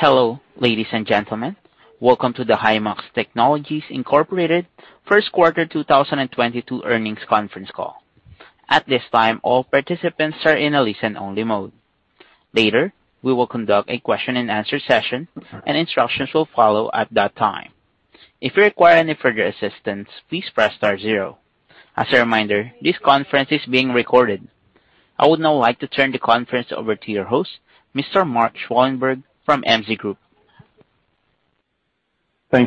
Hello, ladies and gentlemen. Welcome to the Himax Technologies, Inc. first quarter 2022 earnings conference call. At this time, all participants are in a listen-only mode. Later, we will conduct a question and answer session, and instructions will follow at that time. If you require any further assistance, please press star zero. As a reminder, this conference is being recorded. I would now like to turn the conference over to your host, Mr. Mark Schwalenberg from MZ Group. Thank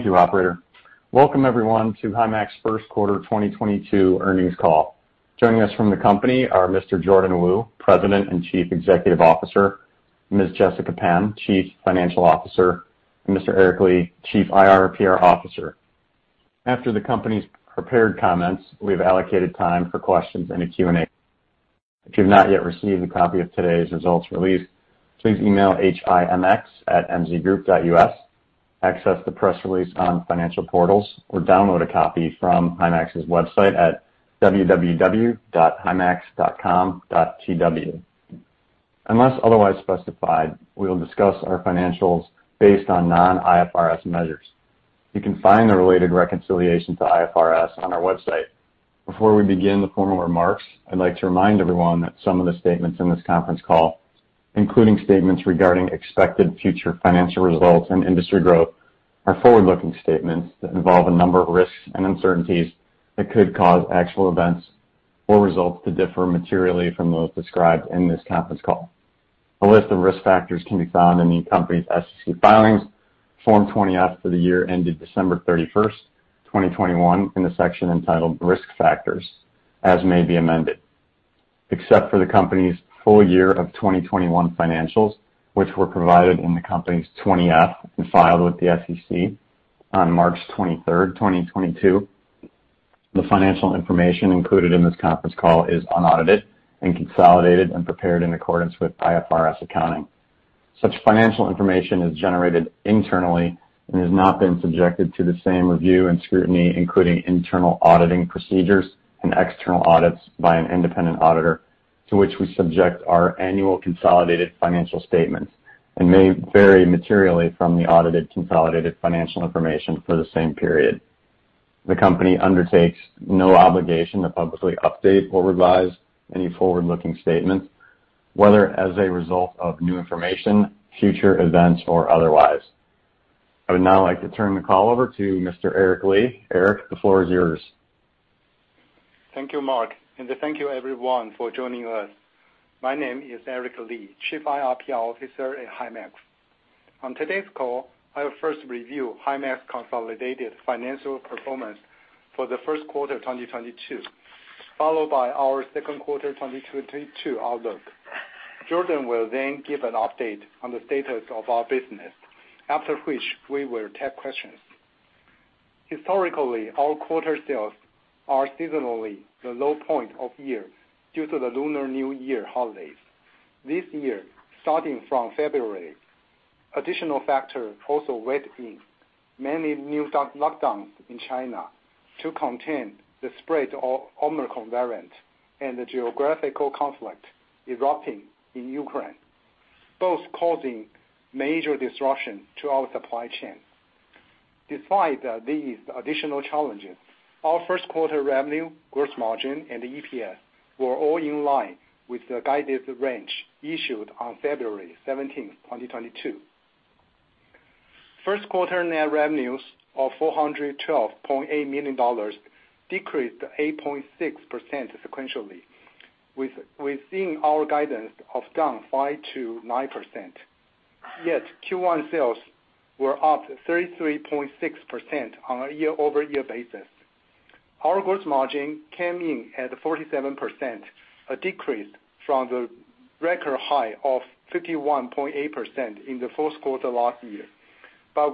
you, operator. Welcome everyone to Himax first quarter 2022 earnings call. Joining us from the company are Mr. Jordan Wu, President and Chief Executive Officer, Ms. Jessica Pan, Chief Financial Officer, and Mr. Eric Li, Chief IR/PR Officer. After the company's prepared comments, we've allocated time for questions and a Q&A. If you've not yet received a copy of today's results release, please email HIMX@mzgroup.us, access the press release on financial portals, or download a copy from Himax's website at www.himax.com.tw. Unless otherwise specified, we will discuss our financials based on non-IFRS measures. You can find the related reconciliation to IFRS on our website. Before we begin the formal remarks, I'd like to remind everyone that some of the statements in this conference call, including statements regarding expected future financial results and industry growth, are forward-looking statements that involve a number of risks and uncertainties that could cause actual events or results to differ materially from those described in this conference call. A list of risk factors can be found in the company's SEC filings, Form 20-F for the year ended December 31, 2021 in the section entitled Risk Factors, as may be amended. Except for the company's full year of 2021 financials, which were provided in the company's 20-F and filed with the SEC on March 23, 2022. The financial information included in this conference call is unaudited and consolidated and prepared in accordance with IFRS accounting. Such financial information is generated internally and has not been subjected to the same review and scrutiny, including internal auditing procedures and external audits by an independent auditor, to which we subject our annual consolidated financial statements, and may vary materially from the audited consolidated financial information for the same period. The company undertakes no obligation to publicly update or revise any forward-looking statements, whether as a result of new information, future events, or otherwise. I would now like to turn the call over to Mr. Eric Li. Eric, the floor is yours. Thank you, Mark, and thank you everyone for joining us. My name is Eric Li, Chief IR/PR Officer at Himax. On today's call, I'll first review Himax consolidated financial performance for the first quarter of 2022, followed by our second quarter 2022 outlook. Jordan will then give an update on the status of our business, after which we will take questions. Historically, our quarter sales are seasonally the low point of year due to the Lunar New Year holidays. This year, starting from February, additional factors also weighed in. Many new lockdowns in China to contain the spread of Omicron variant and the geopolitical conflict erupting in Ukraine, both causing major disruption to our supply chain. Despite these additional challenges, our first quarter revenue, gross margin, and EPS were all in line with the guided range issued on February 17, 2022. First quarter net revenues of $412.8 million decreased 8.6% sequentially, within our guidance of down 5%-9%. Yet Q1 sales were up 33.6% on a year-over-year basis. Our gross margin came in at 47%, a decrease from the record high of 51.8% in the fourth quarter last year,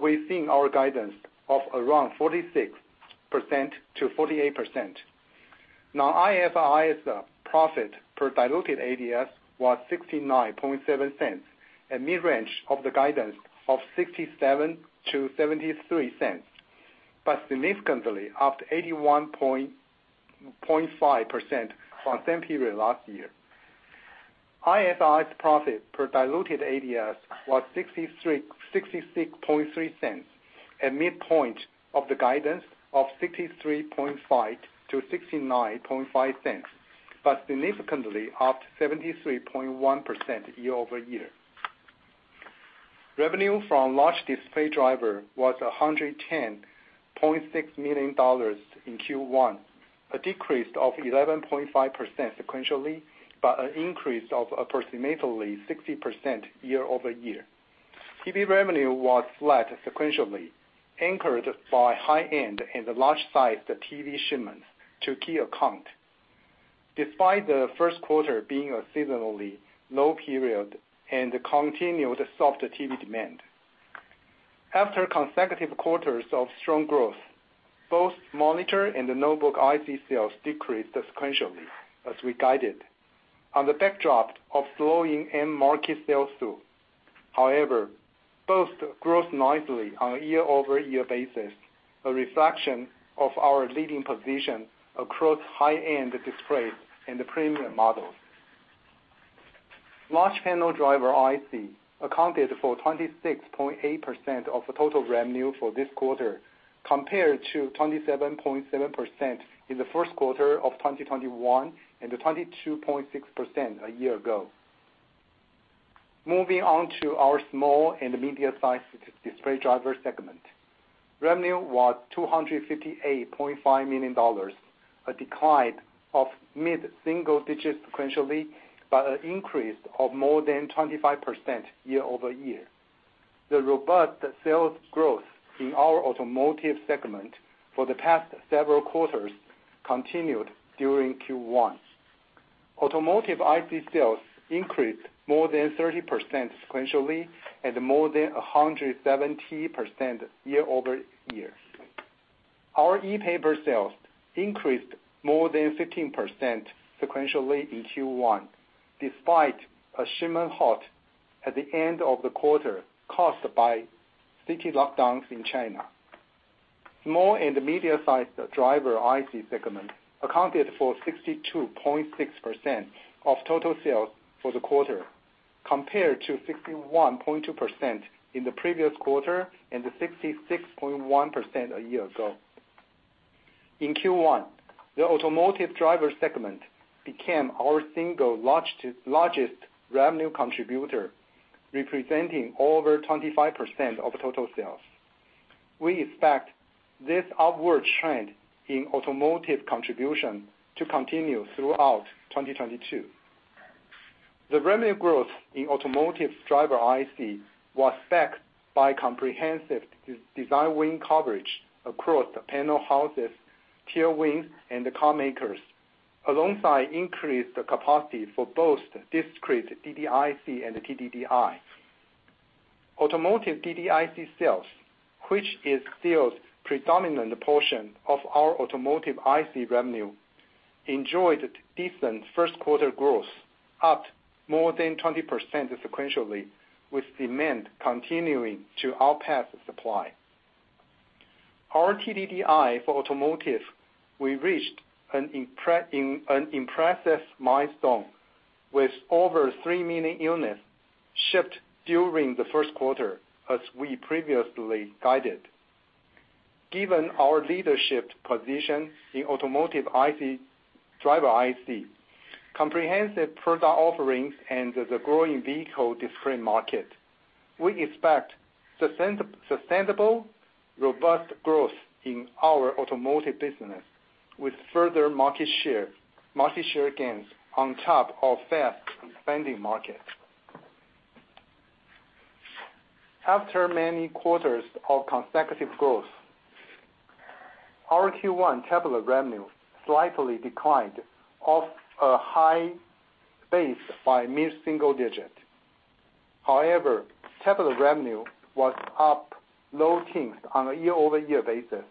within our guidance of around 46%-48%. Now, IFRS profit per diluted ADS was $0.697, a mid-range of the guidance of $0.67-$0.73. Significantly up 81.5% from same period last year. Non-IFRS profit per diluted ADS was $0.663 at midpoint of the guidance of $0.635-$0.695, but significantly up 73.1% year over year. Revenue from large display driver was $110.6 million in Q1, a decrease of 11.5% sequentially, but an increase of approximately 60% year-over-year. TV revenue was flat sequentially, anchored by high-end and the large-sized TV shipments to key account, despite the first quarter being a seasonally low period and the continued soft TV demand. After consecutive quarters of strong growth, both monitor and the notebook IC sales decreased sequentially, as we guided, against the backdrop of slowing end market sales too. However, both grow nicely on a year-over-year basis, a reflection of our leading position across high-end displays and the premium models. Large panel driver IC accounted for 26.8% of the total revenue for this quarter, compared to 27.7% in the first quarter of 2021, and the 22.6% a year ago. Moving on to our small and medium-sized display driver segment. Revenue was $258.5 million, a decline of mid-single digits sequentially, but an increase of more than 25% year-over-year. The robust sales growth in our automotive segment for the past several quarters continued during Q1. Automotive IC sales increased more than 30% sequentially and more than 170% year-over-year. Our ePaper sales increased more than 15% sequentially in Q1, despite a shipment halt at the end of the quarter caused by city lockdowns in China. Small and medium-sized driver IC segment accounted for 62.6% of total sales for the quarter, compared to 61.2% in the previous quarter, and the 66.1% a year ago. In Q1, the automotive driver segment became our single largest revenue contributor, representing over 25% of total sales. We expect this upward trend in automotive contribution to continue throughout 2022. The revenue growth in automotive driver IC was backed by comprehensive design win coverage across the panel houses, Tier 1 wins and the carmakers. Alongside increased capacity for both discrete DDIC and TDDI. Automotive DDIC sales, which is still predominant portion of our automotive IC revenue, enjoyed decent first quarter growth, up more than 20% sequentially, with demand continuing to outpace supply. Our TDDI for automotive, we reached an impressive milestone with over 3 million units shipped during the first quarter as we previously guided. Given our leadership position in automotive IC, driver IC, comprehensive product offerings and the growing vehicle display market, we expect sustainable, robust growth in our automotive business with further market share gains on top of fast-expanding market. After many quarters of consecutive growth, our Q1 tablet revenue slightly declined off a high base by mid-single-digit %. However, tablet revenue was up low-teens % on a year-over-year basis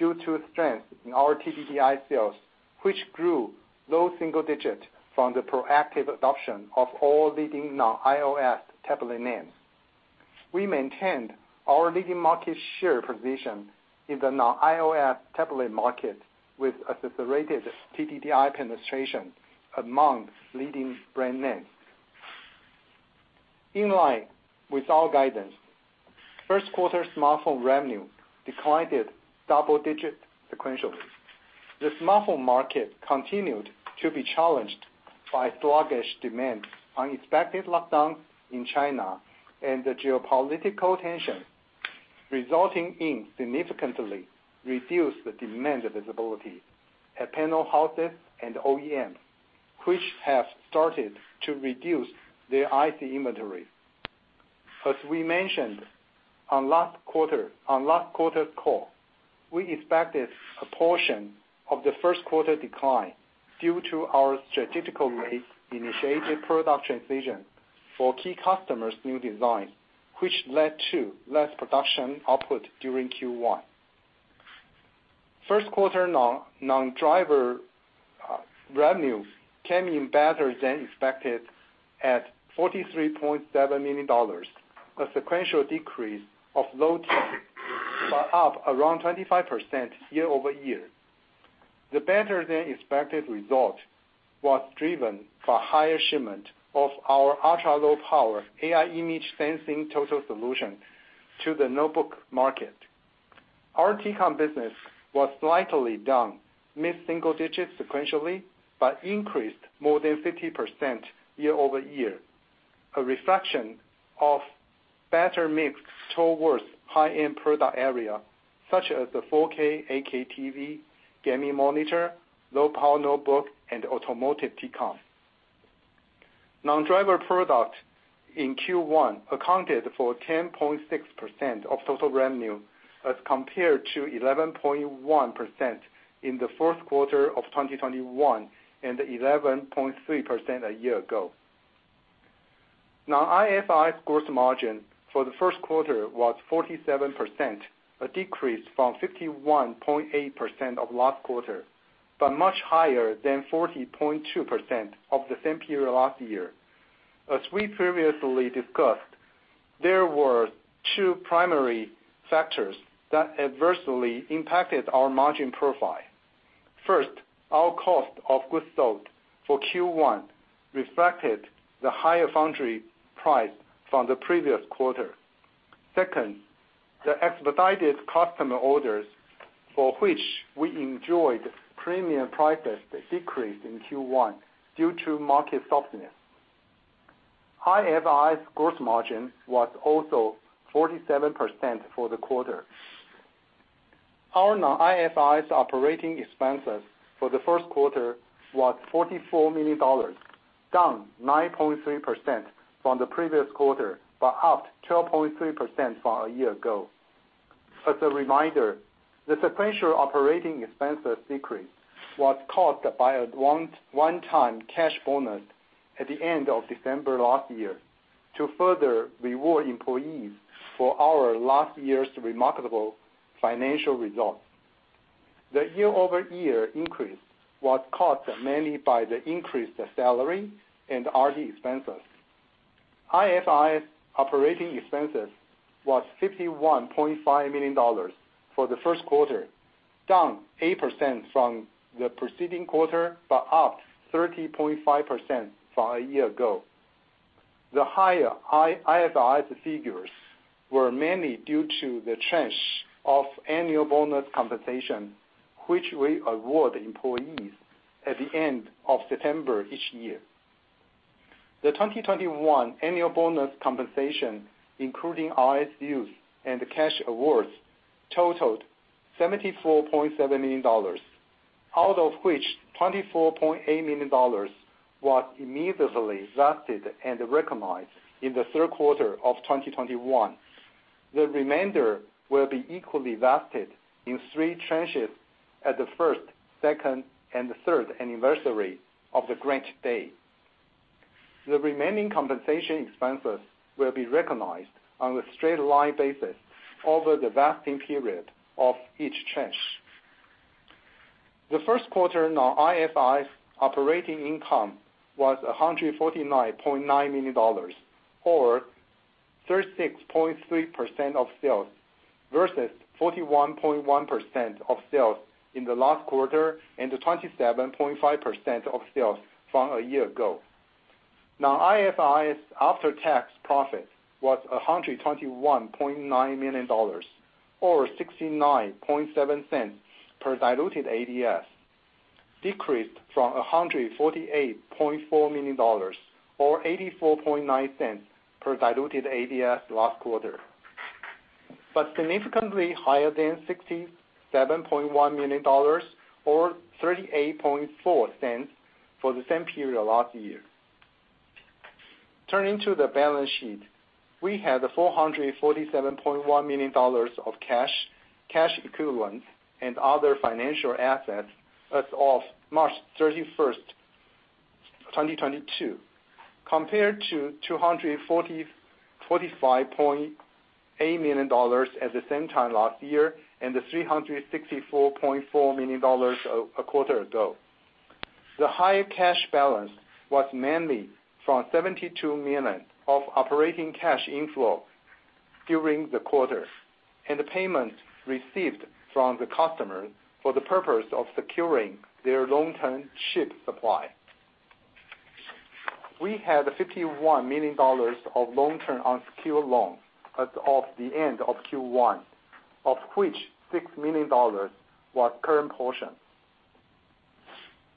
due to strength in our TDDI sales, which grew low-single-digit % from the proactive adoption of all leading non-iOS tablet names. We maintained our leading market share position in the non-iOS tablet market with accelerated TDDI penetration among leading brand names. In line with our guidance, first quarter smartphone revenue declined double-digit % sequentially. The smartphone market continued to be challenged by sluggish demand, unexpected lockdowns in China and the geopolitical tension, resulting in significantly reduced demand visibility at panel houses and OEMs, which have started to reduce their IC inventory. As we mentioned on last quarter's call, we expected a portion of the first quarter decline due to our strategically-initiated product transition for key customers' new design, which led to less production output during Q1. First quarter non-driver revenues came in better than expected at $43.7 million, a sequential decrease of low teens%, but up around 25% year-over-year. The better than expected result was driven for higher shipment of our ultra-low power AI image sensing total solution to the notebook market. Our T-Con business was slightly down mid-single digits% sequentially, but increased more than 50% year-over-year. A reflection of better mix towards high-end product area, such as the 4K 8K TV, gaming monitor, low-power notebook and automotive T-Con. Non-driver product in Q1 accounted for 10.6% of total revenue, as compared to 11.1% in the fourth quarter of 2021, and 11.3% a year ago. Now, IFRS gross margin for the first quarter was 47%, a decrease from 51.8% of last quarter. Much higher than 40.2% of the same period last year. As we previously discussed, there were two primary factors that adversely impacted our margin profile. First, our cost of goods sold for Q1 reflected the higher foundry price from the previous quarter. Second, the expedited customer orders for which we enjoyed premium prices decreased in Q1 due to market softness. Himax's gross margin was also 47% for the quarter. Our non-IFRS operating expenses for the first quarter was $44 million, down 9.3% from the previous quarter, but up 12.3% from a year ago. As a reminder, the sequential operating expenses decrease was caused by a one-time cash bonus at the end of December last year to further reward employees for our last year's remarkable financial results. The year-over-year increase was caused mainly by the increased salary and R&D expenses. IFRS operating expenses was $51.5 million for the first quarter, down 8% from the preceding quarter, but up 30.5% from a year ago. The higher non-IFRS figures were mainly due to the tranche of annual bonus compensation, which we award employees at the end of September each year. The 2021 annual bonus compensation including RSUs and the cash awards totaled $74.7 million, out of which $24.8 million was immediately vested and recognized in the third quarter of 2021. The remainder will be equally vested in three tranches at the first, second, and the third anniversary of the grant date. The remaining compensation expenses will be recognized on a straight-line basis over the vesting period of each tranche. The first quarter non-IFRS operating income was $149.9 million or 36.3% of sales versus 41.1% of sales in the last quarter, and 27.5% of sales from a year ago. Non-IFRS after-tax profit was $121.9 million or 69.7 cents per diluted ADS, decreased from $148.4 million or 84.9 cents per diluted ADS last quarter. Significantly higher than $67.1 million or 38.4 cents for the same period last year. Turning to the balance sheet, we had $447.1 million of cash equivalents, and other financial assets as of March 31, 2022, compared to $245.8 million at the same time last year and $364.4 million a quarter ago. The higher cash balance was mainly from $72 million of operating cash inflow during the quarter, and the payments received from the customer for the purpose of securing their long-term chip supply. We had $51 million of long-term unsecured loans as of the end of Q1, of which $6 million was current portion.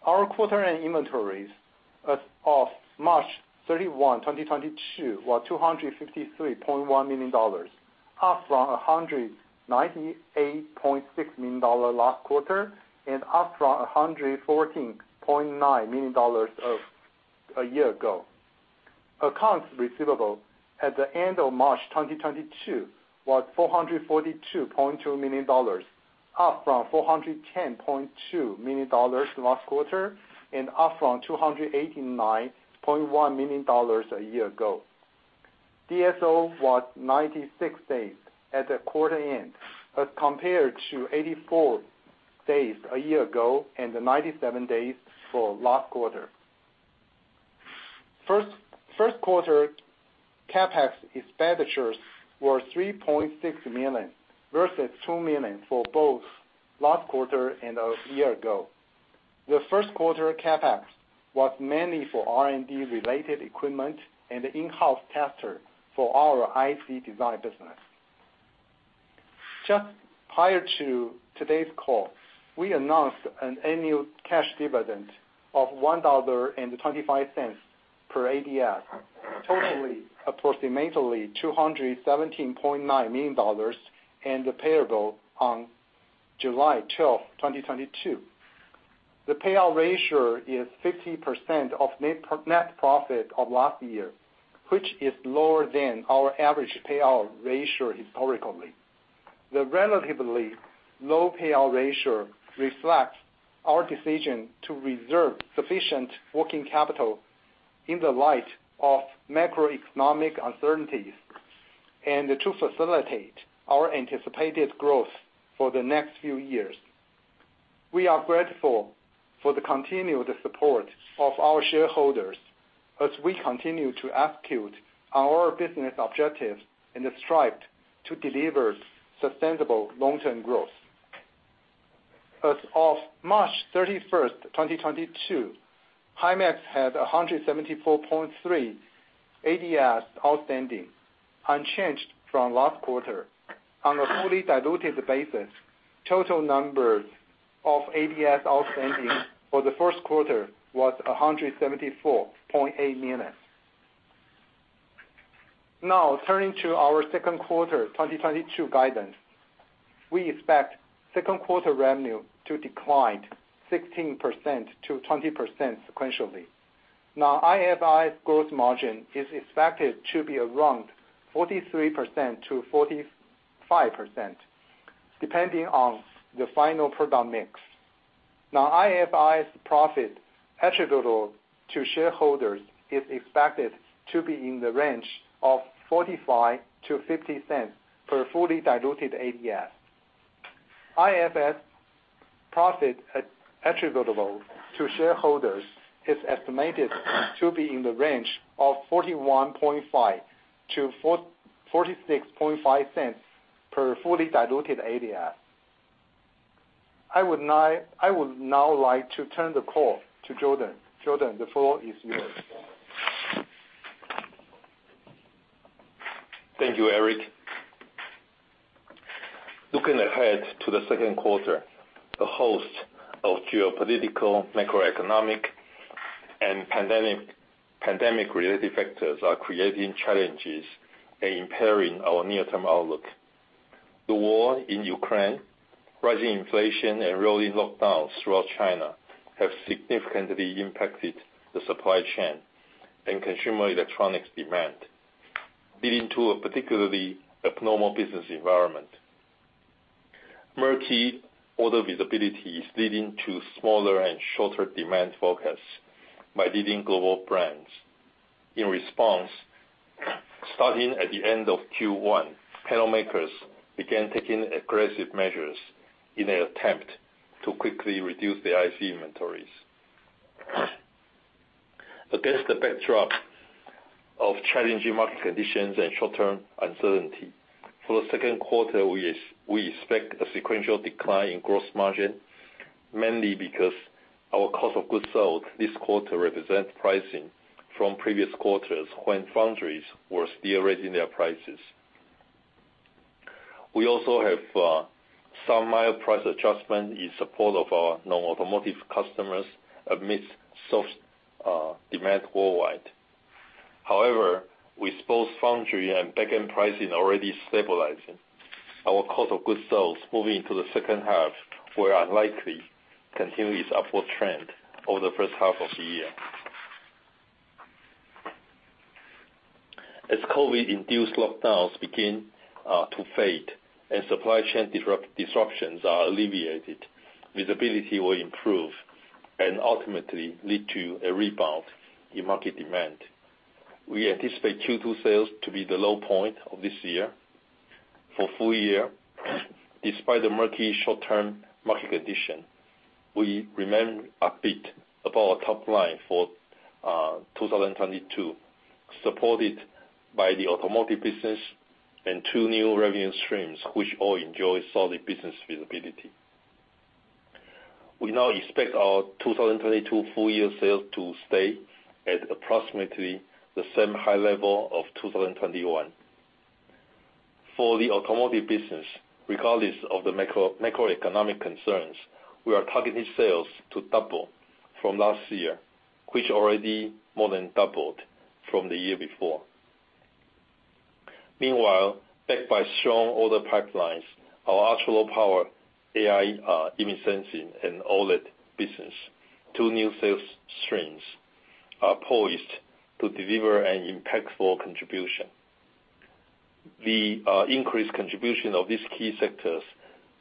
Our quarter-end inventories as of March 31, 2022, were $253.1 million, up from $198.6 million last quarter and up from $114.9 million a year ago. Accounts receivable at the end of March 2022 was $442.2 million, up from $410.2 million last quarter and up from $289.1 million a year ago. DSO was 96 days at the quarter end, as compared to 84 days a year ago and 97 days for last quarter. First quarter CapEx expenditures were $3.6 million versus $2 million for both last quarter and a year ago. The first quarter CapEx was mainly for R&D related equipment and in-house tester for our IC design business. Just prior to today's call, we announced an annual cash dividend of $1.25 per ADS, totaling approximately $217.9 million and payable on July 12, 2022. The payout ratio is 50% of net profit of last year, which is lower than our average payout ratio historically. The relatively low payout ratio reflects our decision to reserve sufficient working capital in the light of macroeconomic uncertainties. To facilitate our anticipated growth for the next few years. We are grateful for the continued support of our shareholders as we continue to execute our business objectives and we strive to deliver sustainable long-term growth. As of March 31, 2022, Himax had 174.3 ADS outstanding, unchanged from last quarter. On a fully diluted basis, total numbers of ADS outstanding for the first quarter was 174.8 million. Now, turning to our second quarter 2022 guidance. We expect second quarter revenue to decline 16%-20% sequentially. Now, Himax's gross margin is expected to be around 43%-45%, depending on the final product mix. Now, Himax's profit attributable to shareholders is expected to be in the range of $0.45-$0.50 per fully diluted ADS. IFRS profit attributable to shareholders is estimated to be in the range of $0.415-$0.465 per fully diluted ADS. I would now like to turn the call to Jordan. Jordan, the floor is yours. Thank you, Eric. Looking ahead to the second quarter, a host of geopolitical, macroeconomic, and pandemic-related factors are creating challenges and impairing our near-term outlook. The war in Ukraine, rising inflation, and rolling lockdowns throughout China have significantly impacted the supply chain and consumer electronics demand, leading to a particularly abnormal business environment. Murky order visibility is leading to smaller and shorter demand forecasts by leading global brands. In response, starting at the end of Q1, panel makers began taking aggressive measures in an attempt to quickly reduce the IC inventories. Against the backdrop of challenging market conditions and short-term uncertainty, for the second quarter, we expect a sequential decline in gross margin, mainly because our cost of goods sold this quarter represent pricing from previous quarters when foundries were still raising their prices. We also have some mild price adjustment in support of our non-automotive customers amidst soft demand worldwide. However, with both foundry and back-end pricing already stabilizing, our cost of goods sold moving into the second half will unlikely continue its upward trend over the first half of the year. As COVID-induced lockdowns begin to fade and supply chain disruptions are alleviated, visibility will improve and ultimately lead to a rebound in market demand. We anticipate Q2 sales to be the low point of this year. For full year, despite the murky short-term market condition, we remain upbeat about our top line for 2022, supported by the automotive business and two new revenue streams which all enjoy solid business visibility. We now expect our 2022 full year sales to stay at approximately the same high level of 2021. For the automotive business, regardless of the macro, macroeconomic concerns, we are targeting sales to double from last year, which already more than doubled from the year before. Meanwhile, backed by strong order pipelines, our ultra low power AI, image sensing and OLED business, two new sales streams, are poised to deliver an impactful contribution. The increased contribution of these key sectors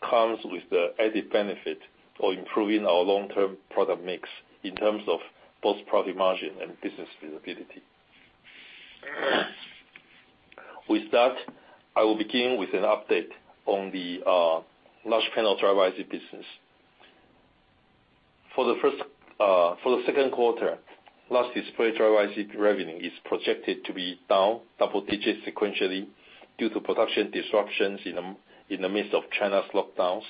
comes with the added benefit of improving our long-term product mix in terms of both profit margin and business visibility. With that, I will begin with an update on the large panel driver IC business. For the second quarter, large display driver IC revenue is projected to be down double digits sequentially due to production disruptions in the midst of China's lockdowns,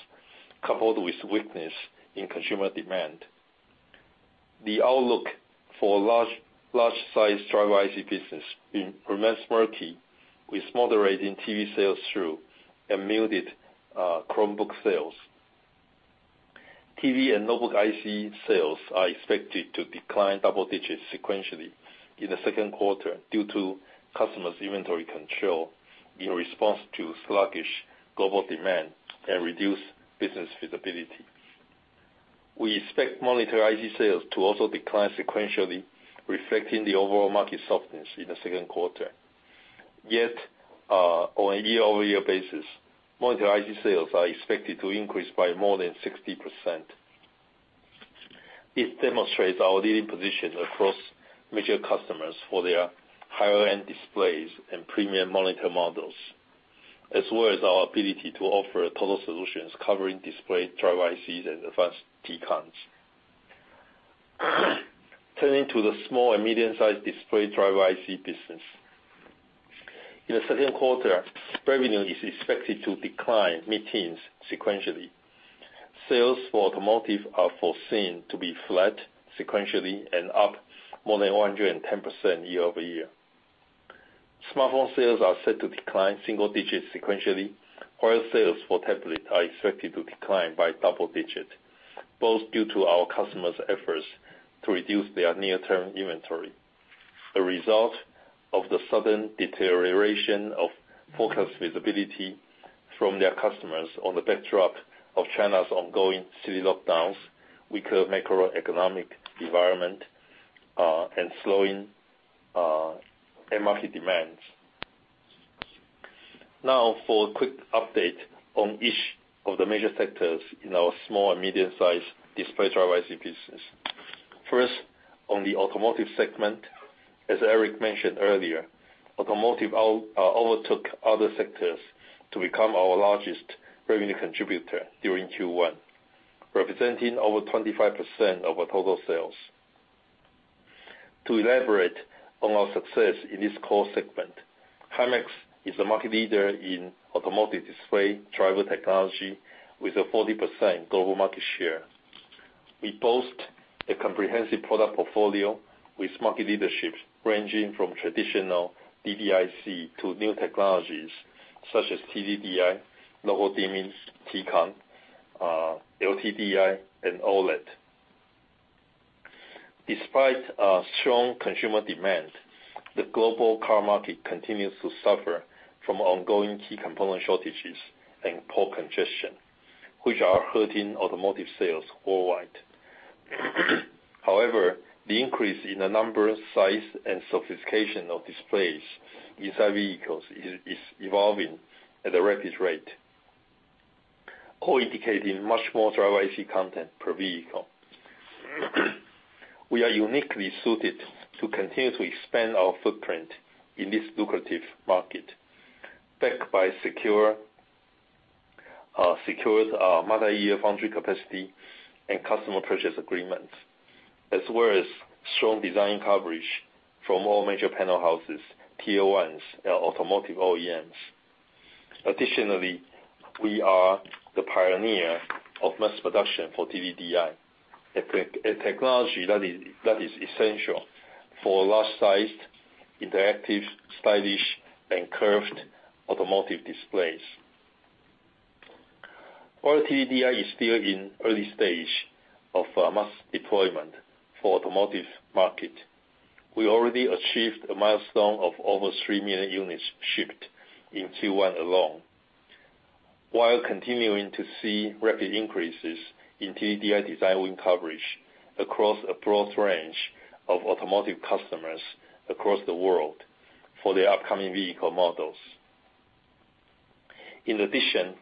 coupled with weakness in consumer demand. The outlook for large size driver IC business remains murky, with moderating TV sales and muted Chromebook sales. TV and notebook IC sales are expected to decline double digits sequentially in the second quarter due to customers' inventory control in response to sluggish global demand and reduced business visibility. We expect monitor IC sales to also decline sequentially, reflecting the overall market softness in the second quarter. Yet, on a year-over-year basis, monitor IC sales are expected to increase by more than 60%. It demonstrates our leading position across major customers for their higher-end displays and premium monitor models, as well as our ability to offer total solutions covering display, driver ICs, and advanced TCONs. Turning to the small and medium-sized display driver IC business. In the second quarter, revenue is expected to decline mid-teens sequentially. Sales for automotive are foreseen to be flat sequentially and up more than 110% year-over-year. Smartphone sales are set to decline single digits sequentially, while sales for tablet are expected to decline by double digit, both due to our customers' efforts to reduce their near-term inventory, a result of the sudden deterioration of forecast visibility from their customers on the backdrop of China's ongoing city lockdowns, weaker macroeconomic environment, and slowing, end market demands. Now for a quick update on each of the major sectors in our small and medium-sized display driver IC business. First, on the automotive segment. As Eric mentioned earlier, automotive overtook other sectors to become our largest revenue contributor during Q1, representing over 25% of our total sales. To elaborate on our success in this core segment, Himax is the market leader in automotive display driver technology with a 40% global market share. We boast a comprehensive product portfolio with market leadership ranging from traditional DDIC to new technologies such as TDDI, local dimming TCON, LTDI, and OLED. Despite strong consumer demand, the global car market continues to suffer from ongoing key component shortages and port congestion, which are hurting automotive sales worldwide. However, the increase in the number, size, and sophistication of displays inside vehicles is evolving at a rapid rate, all indicating much more driver IC content per vehicle. We are uniquely suited to continue to expand our footprint in this lucrative market, backed by secured multi-year foundry capacity and customer purchase agreements, as well as strong design coverage from all major panel houses, Tier-1s, and automotive OEMs. Additionally, we are the pioneer of mass production for TDDI, a technology that is essential for large-sized, interactive, stylish, and curved automotive displays. While TDDI is still in early stage of mass deployment for automotive market, we already achieved a milestone of over 3 million units shipped in Q1 alone. While continuing to see rapid increases in TDDI design win coverage across a broad range of automotive customers across the world for their upcoming vehicle models. In addition,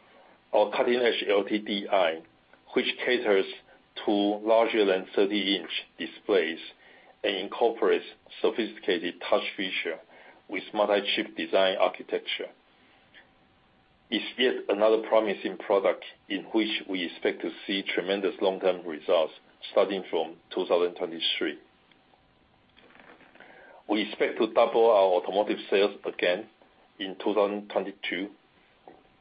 our cutting-edge LTDI, which caters to larger than 30-inch displays and incorporates sophisticated touch feature with multi-chip design architecture, is yet another promising product in which we expect to see tremendous long-term results starting from 2023. We expect to double our automotive sales again in 2022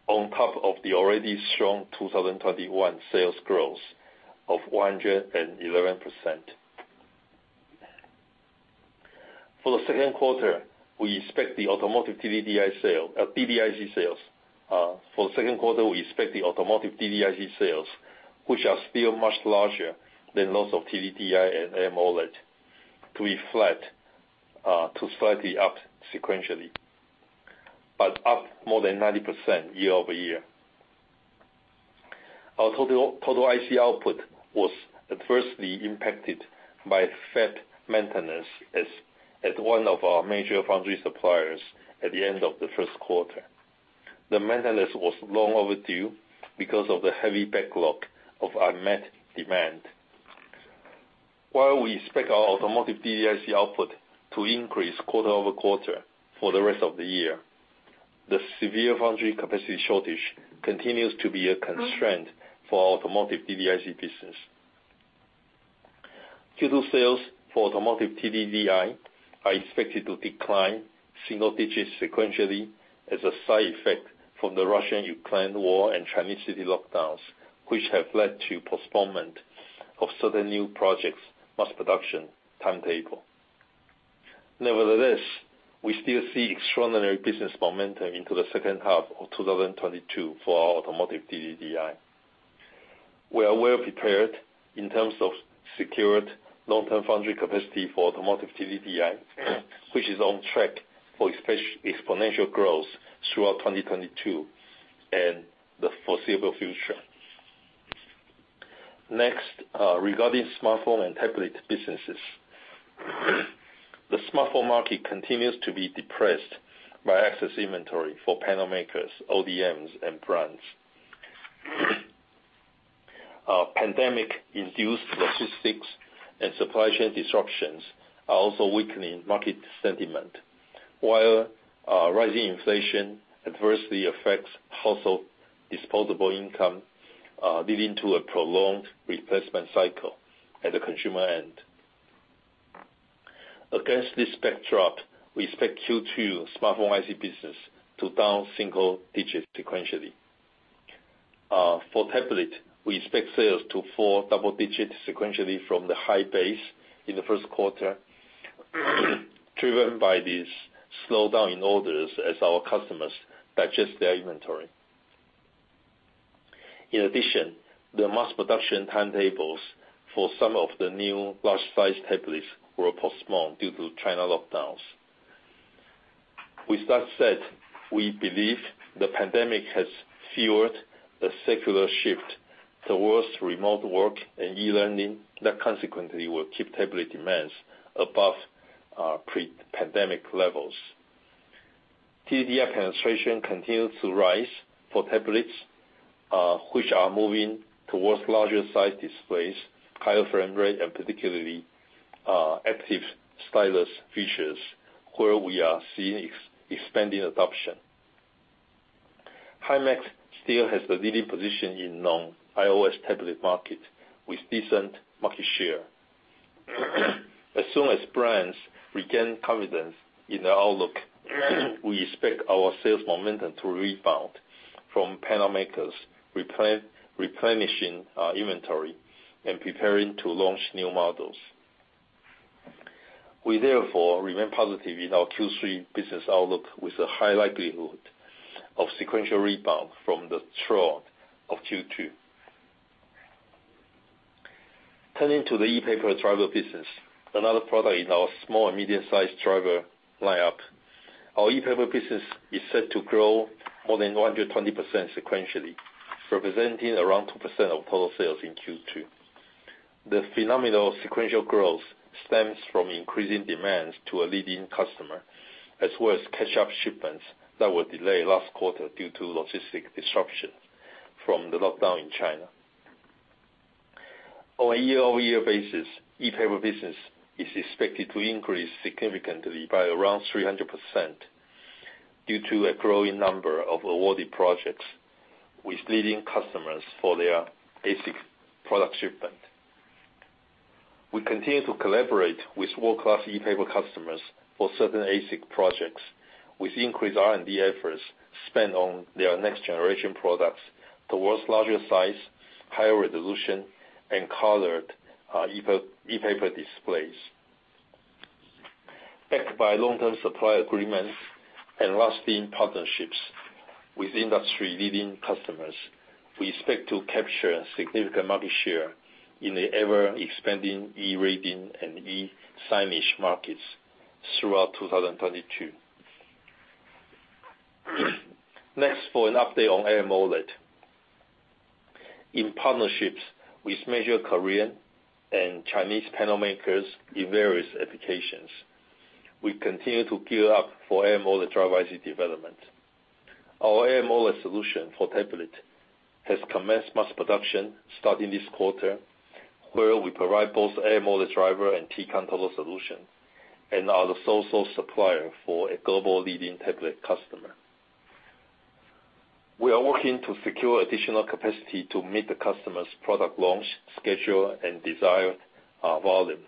on top of the already strong 2021 sales growth of 111%. For the second quarter, we expect the automotive DDIC sales, which are still much larger than those of TDDI and AMOLED, to be flat to slightly up sequentially, but up more than 90% year-over-year. Our total IC output was adversely impacted by fab maintenance at one of our major foundry suppliers at the end of the first quarter. The maintenance was long overdue because of the heavy backlog of unmet demand. While we expect our automotive DDIC output to increase quarter-over-quarter for the rest of the year, the severe foundry capacity shortage continues to be a constraint for our automotive DDIC business. Q2 sales for automotive TDDI are expected to decline single-digit % sequentially as a side effect from the Russia-Ukraine war and Chinese city lockdowns, which have led to postponement of certain new projects' mass production timetable. Nevertheless, we still see extraordinary business momentum into the second half of 2022 for our automotive TDDI. We are well prepared in terms of secured long-term foundry capacity for automotive TDDI, which is on track for exponential growth throughout 2022 and the foreseeable future. Next, regarding smartphone and tablet businesses. The smartphone market continues to be depressed by excess inventory for panel makers, ODMs, and brands. Pandemic-induced logistics and supply chain disruptions are also weakening market sentiment. While rising inflation adversely affects household disposable income, leading to a prolonged replacement cycle at the consumer end. Against this backdrop, we expect Q2 smartphone IC business to down single digits sequentially. For tablet, we expect sales to fall double digits sequentially from the high base in the first quarter, driven by this slowdown in orders as our customers digest their inventory. In addition, the mass production timetables for some of the new large-sized tablets were postponed due to China lockdowns. With that said, we believe the pandemic has fueled a secular shift towards remote work and e-learning that consequently will keep tablet demands above pre-pandemic levels. TDDI penetration continues to rise for tablets, which are moving towards larger size displays, higher frame rate, and particularly active stylus features where we are seeing expanding adoption. Himax still has the leading position in non-iOS tablet market with decent market share. As soon as brands regain confidence in their outlook, we expect our sales momentum to rebound from panel makers replenishing inventory and preparing to launch new models. We therefore remain positive in our Q3 business outlook with a high likelihood of sequential rebound from the trough of Q2. Turning to the ePaper driver business, another product in our small and medium-sized driver lineup. Our ePaper business is set to grow more than 120% sequentially, representing around 2% of total sales in Q2. The phenomenal sequential growth stems from increasing demands to a leading customer, as well as catch-up shipments that were delayed last quarter due to logistic disruption from the lockdown in China. On a year-over-year basis, ePaper business is expected to increase significantly by around 300% due to a growing number of awarded projects with leading customers for their ASIC product shipment. We continue to collaborate with world-class ePaper customers for certain ASIC projects with increased R&D efforts spent on their next-generation products towards larger size, higher resolution, and colored ePaper displays. Backed by long-term supply agreements and lasting partnerships with industry-leading customers, we expect to capture significant market share in the ever-expanding eReading and eSignage markets throughout 2022. Next, for an update on AMOLED. In partnerships with major Korean and Chinese panel makers in various applications, we continue to gear up for AMOLED driver IC development. Our AMOLED solution for tablet has commenced mass production starting this quarter, where we provide both AMOLED driver and T-Con total solution and are the sole source supplier for a global leading tablet customer. We are working to secure additional capacity to meet the customer's product launch schedule and desired volume.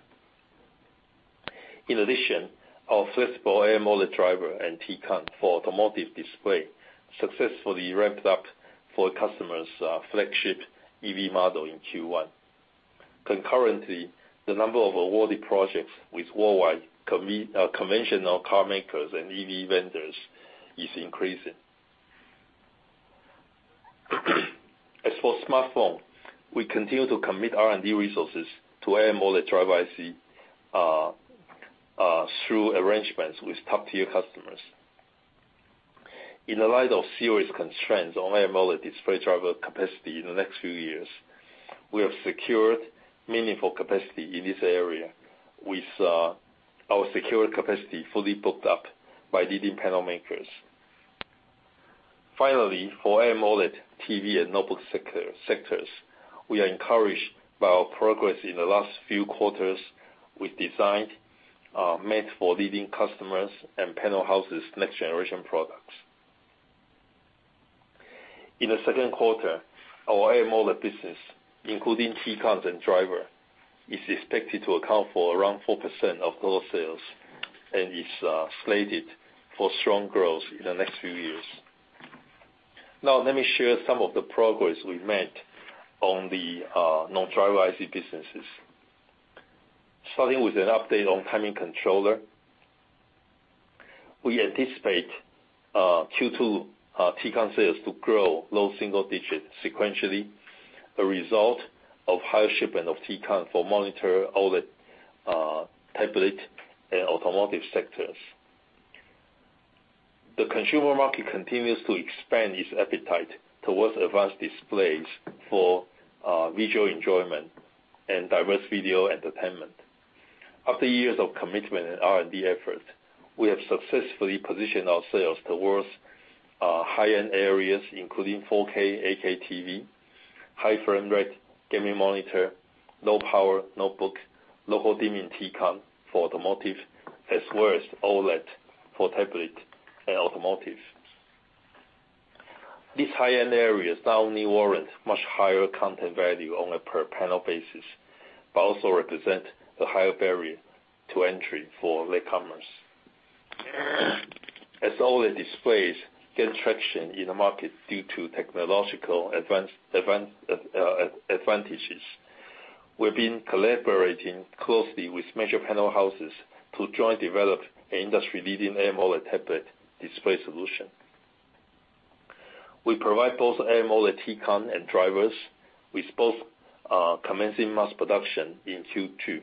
In addition, our flexible AMOLED driver and T-Con for automotive display successfully ramped up for a customer's flagship EV model in Q1. Concurrently, the number of awarded projects with worldwide conventional carmakers and EV vendors is increasing. As for smartphone, we continue to commit R&D resources to AMOLED driver IC through arrangements with top-tier customers. In the light of serious constraints on AMOLED display driver capacity in the next few years, we have secured meaningful capacity in this area with our secured capacity fully booked up by leading panel makers. Finally, for AMOLED TV and notebook sectors, we are encouraged by our progress in the last few quarters with designs meant for leading customers and panel houses' next-generation products. In the second quarter, our AMOLED business, including T-Cons and driver, is expected to account for around 4% of total sales and is slated for strong growth in the next few years. Now let me share some of the progress we've made on the non-driver IC businesses. Starting with an update on timing controller. We anticipate Q2 T-Con sales to grow low single-digit% sequentially, a result of higher shipment of T-Con for monitor, OLED, tablet and automotive sectors. The consumer market continues to expand its appetite toward advanced displays for visual enjoyment and diverse video entertainment. After years of commitment and R&D effort, we have successfully positioned ourselves toward high-end areas, including 4K, 8K TV, high frame rate, gaming monitor, low power notebook, local dimming T-CON for automotive as well as OLED for tablet and automotive. These high-end areas not only warrant much higher content value on a per panel basis, but also represent the higher barrier to entry for latecomers. As all the displays gain traction in the market due to technological advance, advantages, we've been collaborating closely with major panel houses to jointly develop industry-leading AMOLED tablet display solution. We provide both AMOLED T-CON and drivers with both, commencing mass production in Q2.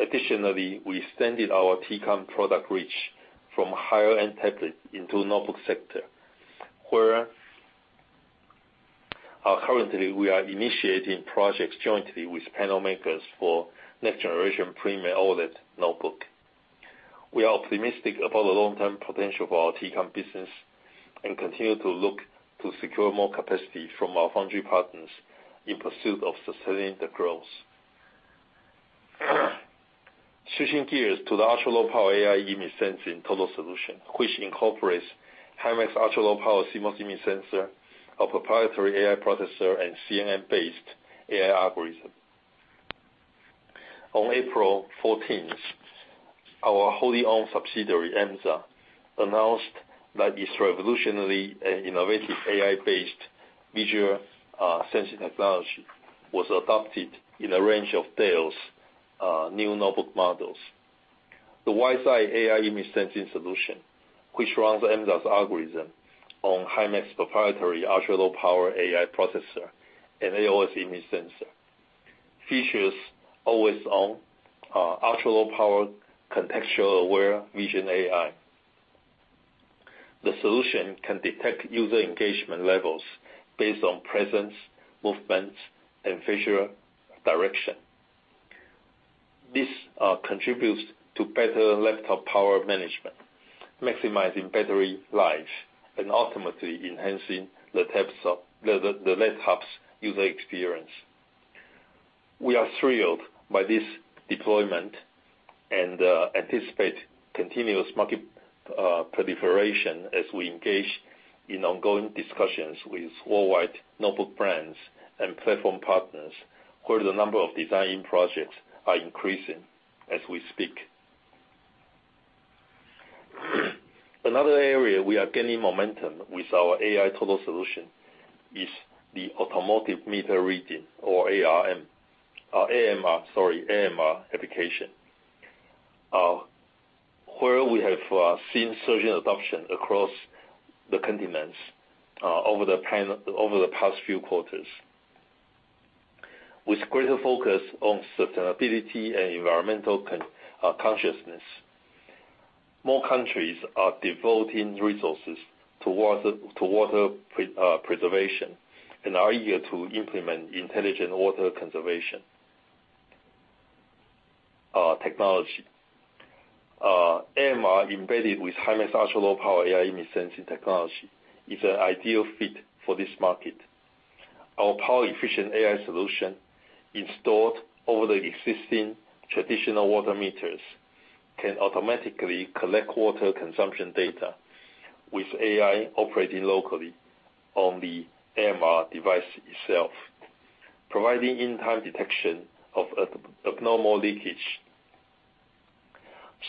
Additionally, we extended our T-CON product reach from higher-end tablets into notebook sector, where currently we are initiating projects jointly with panel makers for next generation premium OLED notebook. We are optimistic about the long-term potential for our T-CON business and continue to look to secure more capacity from our foundry partners in pursuit of sustaining the growth. Switching gears to the ultra low power AI image sensing total solution, which incorporates Himax ultra low power CMOS image sensor, a proprietary AI processor, and CNN-based AI algorithm. On April fourteenth, our wholly owned subsidiary, Emza, announced that its revolutionary and innovative AI-based visual sensing technology was adopted in a range of Dell's new notebook models. The WiseEye AI image sensing solution, which runs Emza's algorithm on Himax proprietary ultra low power AI processor and AoS image sensor, features always-on, ultra low power contextual aware vision AI. The solution can detect user engagement levels based on presence, movements, and visual direction. This contributes to better laptop power management, maximizing battery life, and ultimately enhancing the types of the laptop's user experience. We are thrilled by this deployment and anticipate continuous market proliferation as we engage in ongoing discussions with worldwide notebook brands and platform partners, where the number of design projects are increasing as we speak. Another area we are gaining momentum with our AI total solution is the Automatic Meter Reading or AMR application, where we have seen surging adoption across the continents over the past few quarters. With greater focus on sustainability and environmental consciousness, more countries are devoting resources to water preservation and are eager to implement intelligent water conservation technology. AMR embedded with Himax ultra low power AI image sensing technology is an ideal fit for this market. Our power efficient AI solution, installed over the existing traditional water meters, can automatically collect water consumption data with AI operating locally on the AMR device itself, providing in-time detection of abnormal leakage.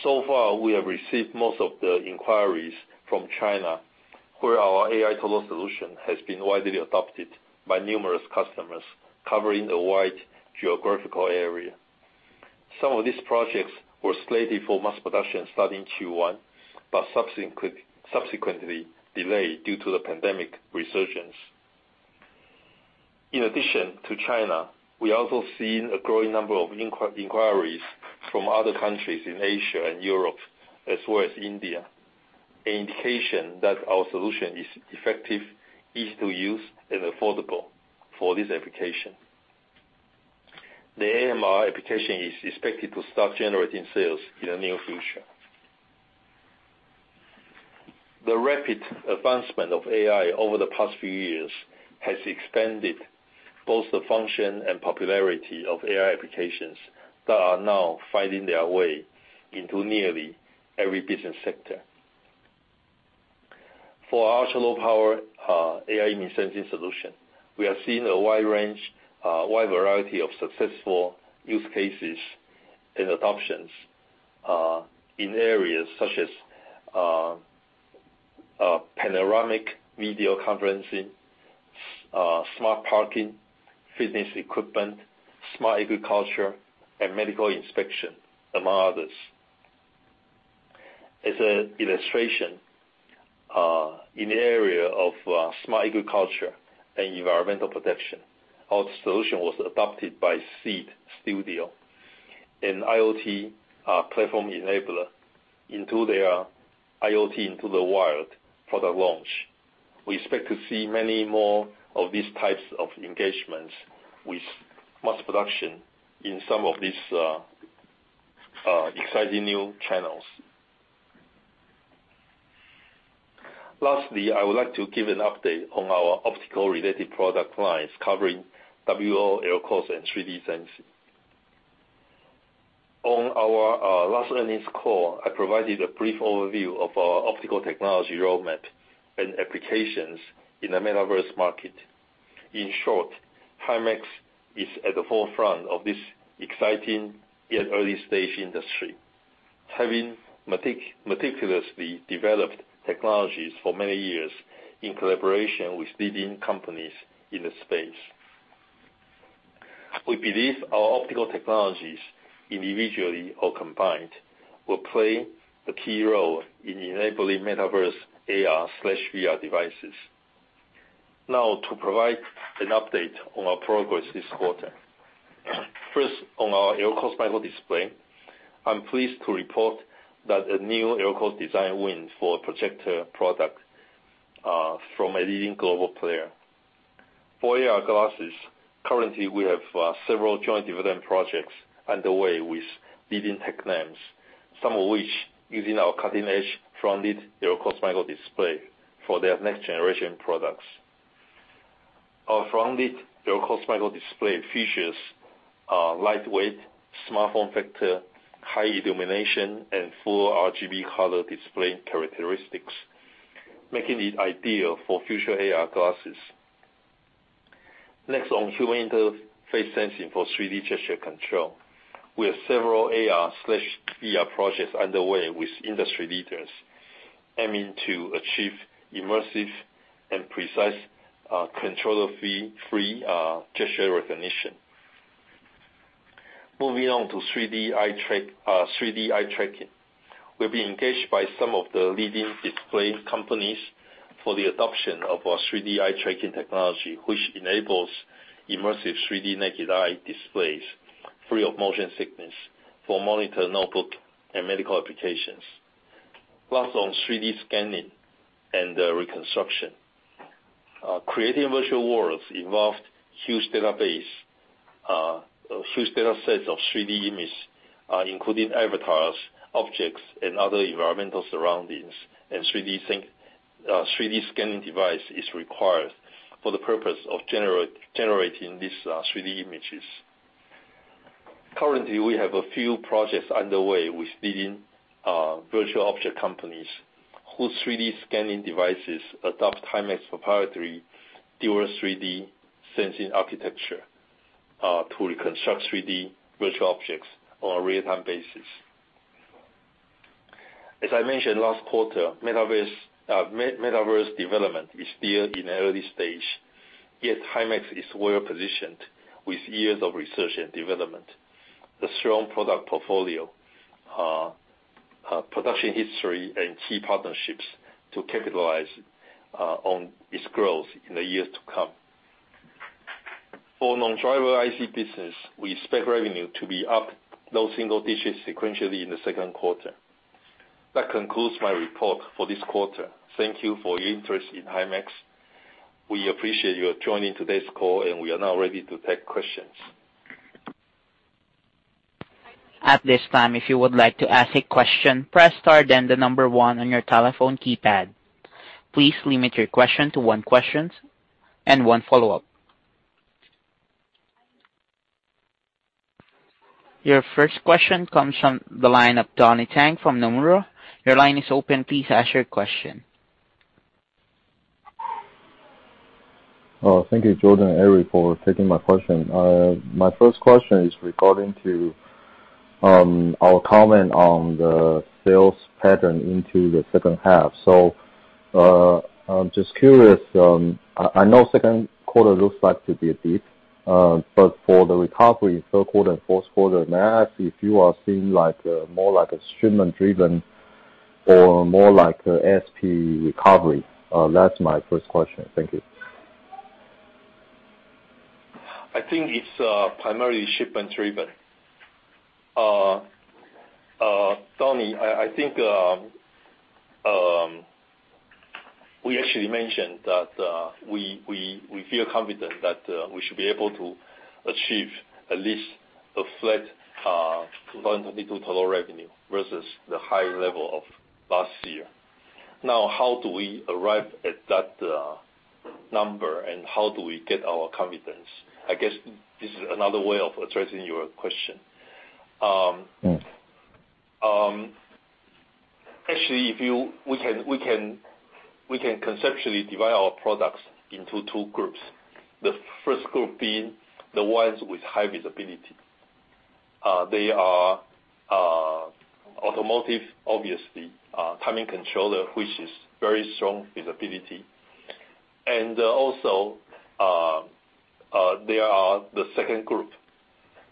So far, we have received most of the inquiries from China, where our AI total solution has been widely adopted by numerous customers, covering a wide geographical area. Some of these projects were slated for mass production starting Q1, but subsequently delayed due to the pandemic resurgence. In addition to China, we also seen a growing number of inquiries from other countries in Asia and Europe as well as India, an indication that our solution is effective, easy to use, and affordable for this application. The AMR application is expected to start generating sales in the near future. The rapid advancement of AI over the past few years has expanded both the function and popularity of AI applications that are now finding their way into nearly every business sector. For our ultra low power AI image sensing solution, we are seeing a wide range, wide variety of successful use cases and adoptions in areas such as panoramic video conferencing, smart parking, fitness equipment, smart agriculture, and medical inspection, among others. As an illustration, in the area of smart agriculture and environmental protection, our solution was adopted by Seeed Studio and IoT platform enabler in their IoT into the Wild product launch. We expect to see many more of these types of engagements with mass production in some of these exciting new channels. Lastly, I would like to give an update on our optical-related product lines covering WLO AR cores and 3D sensing. On our last earnings call, I provided a brief overview of our optical technology roadmap and applications in the Metaverse market. In short, Himax is at the forefront of this exciting yet early stage industry, having meticulously developed technologies for many years in collaboration with leading companies in the space. We believe our optical technologies, individually or combined, will play a key role in enabling Metaverse AR/VR devices. Now, to provide an update on our progress this quarter. First, on our LCoS microdisplay, I'm pleased to report that a new LCoS design wins for projector products from a leading global player. For AR glasses, currently we have several joint development projects underway with leading tech names, some of which using our cutting-edge Front-Lit LCoS microdisplay for their next generation products. Our Front-Lit LCoS microdisplay features lightweight, smartphone factor, high illumination, and full RGB color display characteristics, making it ideal for future AR glasses. Next, on human interface sensing for 3D gesture control, we have several AR/VR projects underway with industry leaders aiming to achieve immersive and precise controller-free gesture recognition. Moving on to 3D eye tracking. We've been engaged by some of the leading display companies for the adoption of our 3D eye tracking technology, which enables immersive 3D naked eye displays, free of motion sickness for monitor, notebook, and medical applications. Plus, on 3D scanning and reconstruction. Creating virtual worlds involved huge database, huge data sets of 3D image, including avatars, objects, and other environmental surroundings. 3D scanning device is required for the purpose of generating these 3D images. Currently, we have a few projects underway with leading virtual object companies whose 3D scanning devices adopt Himax proprietary dual 3D sensing architecture to reconstruct 3D virtual objects on a real-time basis. As I mentioned last quarter, Metaverse development is still in early stage, yet Himax is well-positioned with years of research and development, a strong product portfolio, production history, and key partnerships to capitalize on its growth in the years to come. For non-driver IC business, we expect revenue to be up low single digits sequentially in the second quarter. That concludes my report for this quarter. Thank you for your interest in Himax. We appreciate you joining today's call and we are now ready to take questions. At this time, if you would like to ask a question, press star then the number one on your telephone keypad. Please limit your question to one question and one follow-up. Your first question comes from the line of Donnie Teng from Nomura. Your line is open. Please ask your question. Oh, thank you, Jordan and Eric, for taking my question. My first question is regarding to our comment on the sales pattern into the second half. I'm just curious. I know second quarter looks like to be a bit, but for the recovery in third quarter and fourth quarter, may I ask if you are seeing like a more shipment driven or more like a ASP recovery? That's my first question. Thank you. I think it's primarily shipment driven. Donnie, I think we actually mentioned that we feel confident that we should be able to achieve at least a flat 2022 total revenue versus the higher level of last year. Now, how do we arrive at that number and how do we get our confidence? I guess this is another way of addressing your question. Mm. Actually, we can conceptually divide our products into two groups. The first group being the ones with high visibility. They are automotive, obviously, timing controller, which is very strong visibility. And also they are the second group.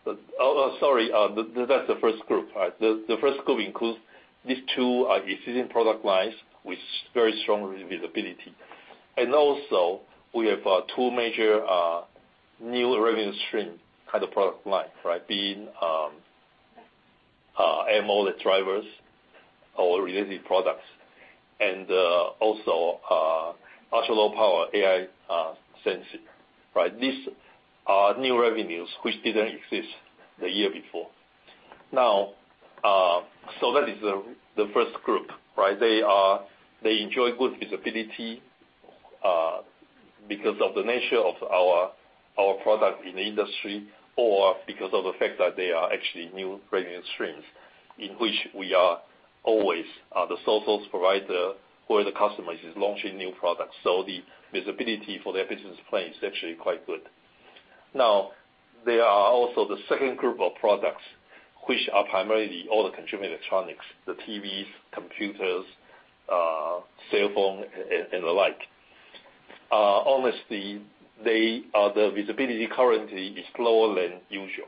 But sorry, that's the first group, right? The first group includes these two existing product lines with very strong visibility. And also we have two major new revenue stream kind of product line, right? Being AMOLED drivers or related products and also ultra low power AI sensor, right? These are new revenues which didn't exist the year before. Now, so that is the first group, right? They enjoy good visibility because of the nature of our product in the industry or because of the fact that they are actually new revenue streams in which we are always the sole source provider for the customers is launching new products. So the visibility for their business plan is actually quite good. Now, there are also the second group of products which are primarily all the consumer electronics, the TVs, computers, cell phone and alike. Honestly, the visibility currently is lower than usual.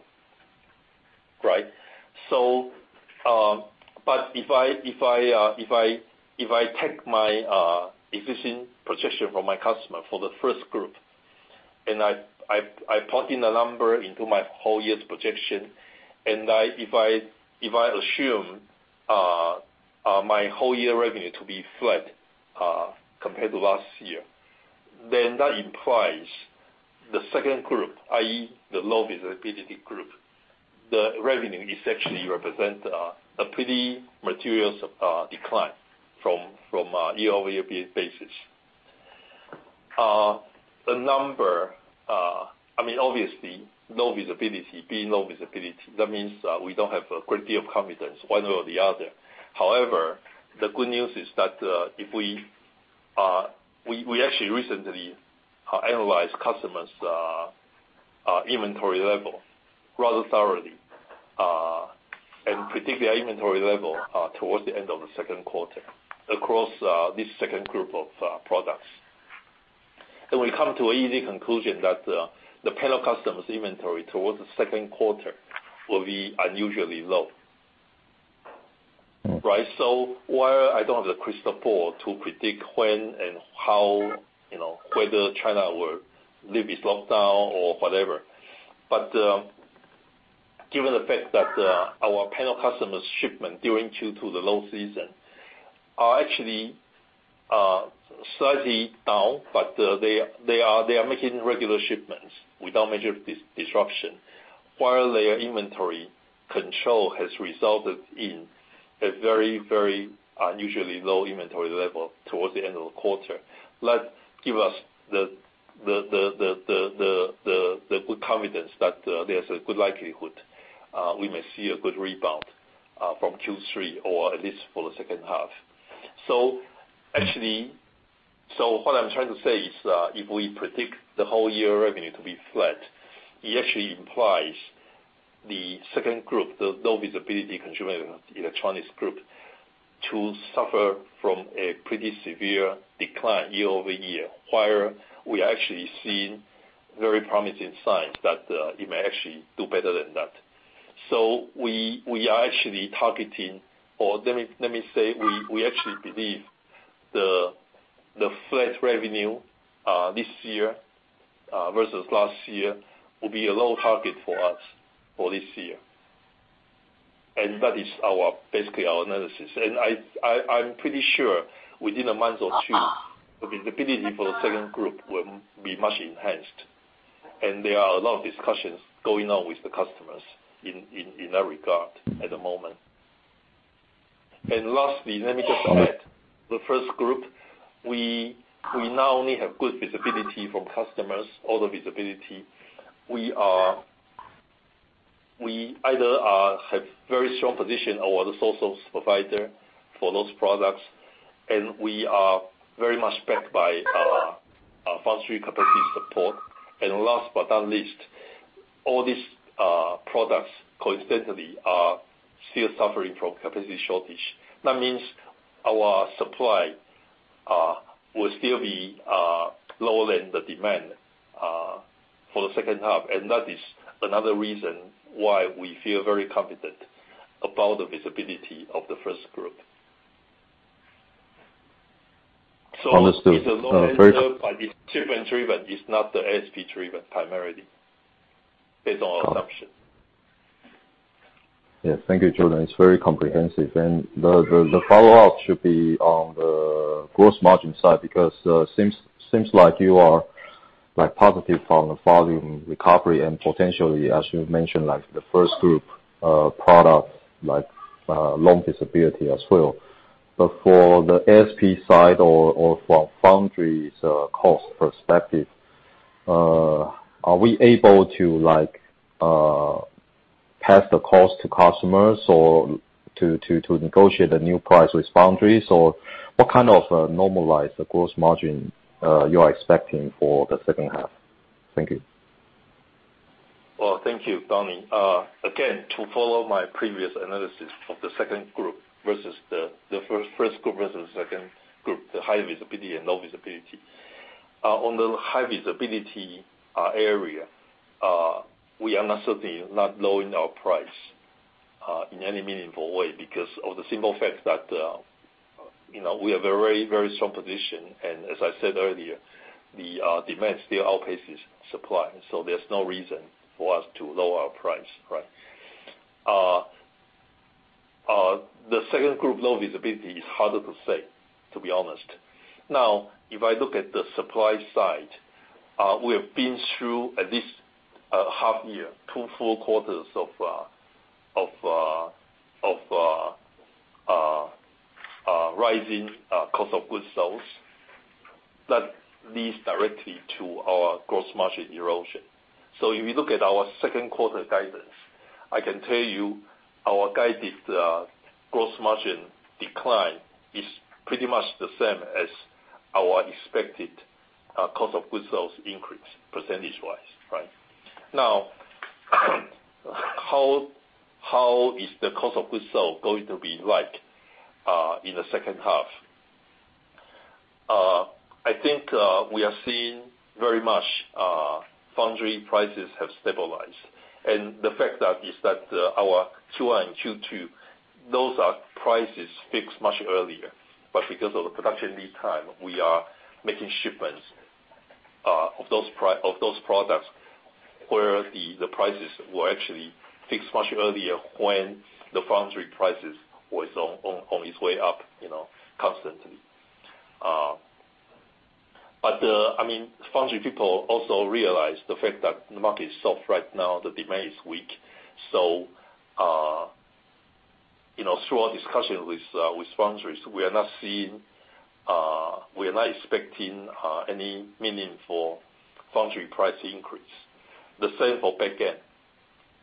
Right? If I take my existing projection from my customer for the first group, and I put in a number into my whole year's projection, and if I assume my whole year revenue to be flat compared to last year, then that implies the second group, i.e. the low visibility group, the revenue is actually represent a pretty material decline from a year-over-year basis. The number, I mean obviously no visibility being low visibility, that means we don't have a great deal of confidence one way or the other. However, the good news is that we actually recently analyzed customers' inventory level rather thoroughly, and particularly our inventory level, towards the end of the second quarter across this second group of products. We come to an easy conclusion that the panel customers' inventory towards the second quarter will be unusually low. Right. While I don't have the crystal ball to predict when and how, you know, whether China will lift its lockdown or whatever. Given the fact that our panel customers' shipment due to the low season are actually slightly down, but they are making regular shipments without major disruption, while their inventory control has resulted in a very, very unusually low inventory level towards the end of the quarter, like give us the good confidence that there's a good likelihood we may see a good rebound from Q3 or at least for the second half. What I'm trying to say is that if we predict the whole year revenue to be flat, it actually implies the second group, the low visibility consumer electronics group, to suffer from a pretty severe decline year over year, while we are actually seeing very promising signs that it may actually do better than that. We actually believe the flat revenue this year versus last year will be a low target for us for this year. That is basically our analysis. I'm pretty sure within a month or two, the visibility for the second group will be much enhanced. There are a lot of discussions going on with the customers in that regard at the moment. Lastly, let me just add the first group. We now only have good visibility from customers, all the visibility. We either have very strong position or the sole source provider for those products, and we are very much backed by our foundry capacity support. Last but not least, all these products coincidentally are still suffering from capacity shortage. That means our supply will still be lower than the demand for the second half. That is another reason why we feel very confident about the visibility of the first group. Understood. It's shipment driven. It's not the ASP driven primarily based on our assumption. Yeah. Thank you, Jordan. It's very comprehensive. The follow-up should be on the gross margin side because seems like you are like positive on the volume recovery and potentially as you mentioned like the first group products like long visibility as well. But for the ASP side or from foundry's cost perspective, are we able to like pass the cost to customers or to negotiate the new price with foundries? Or what kind of normalized gross margin you are expecting for the second half? Thank you. Well, thank you, Donnie. Again, to follow my previous analysis of the second group versus the first group versus the second group, the high visibility and low visibility. On the high visibility area, we are certainly not lowering our price in any meaningful way because of the simple fact that, you know, we have a very strong position. As I said earlier, demand still outpaces supply, so there's no reason for us to lower our price, right? The second group, low visibility, is harder to say, to be honest. Now, if I look at the supply side, we have been through at least a half year, two full quarters of rising cost of goods sales. That leads directly to our gross margin erosion. If you look at our second quarter guidance, I can tell you our guided gross margin decline is pretty much the same as our expected cost of goods sold increase percentage-wise, right? Now how is the cost of goods sold going to be like in the second half? I think we are seeing very much foundry prices have stabilized. The fact that is that our Q1 and Q2, those are prices fixed much earlier. Because of the production lead time, we are making shipments of those products where the prices were actually fixed much earlier when the foundry prices was on its way up, you know, constantly. I mean, foundry people also realize the fact that the market is soft right now, the demand is weak. You know, through our discussion with foundries, we are not seeing, we are not expecting, any meaningful foundry price increase. The same for back-end.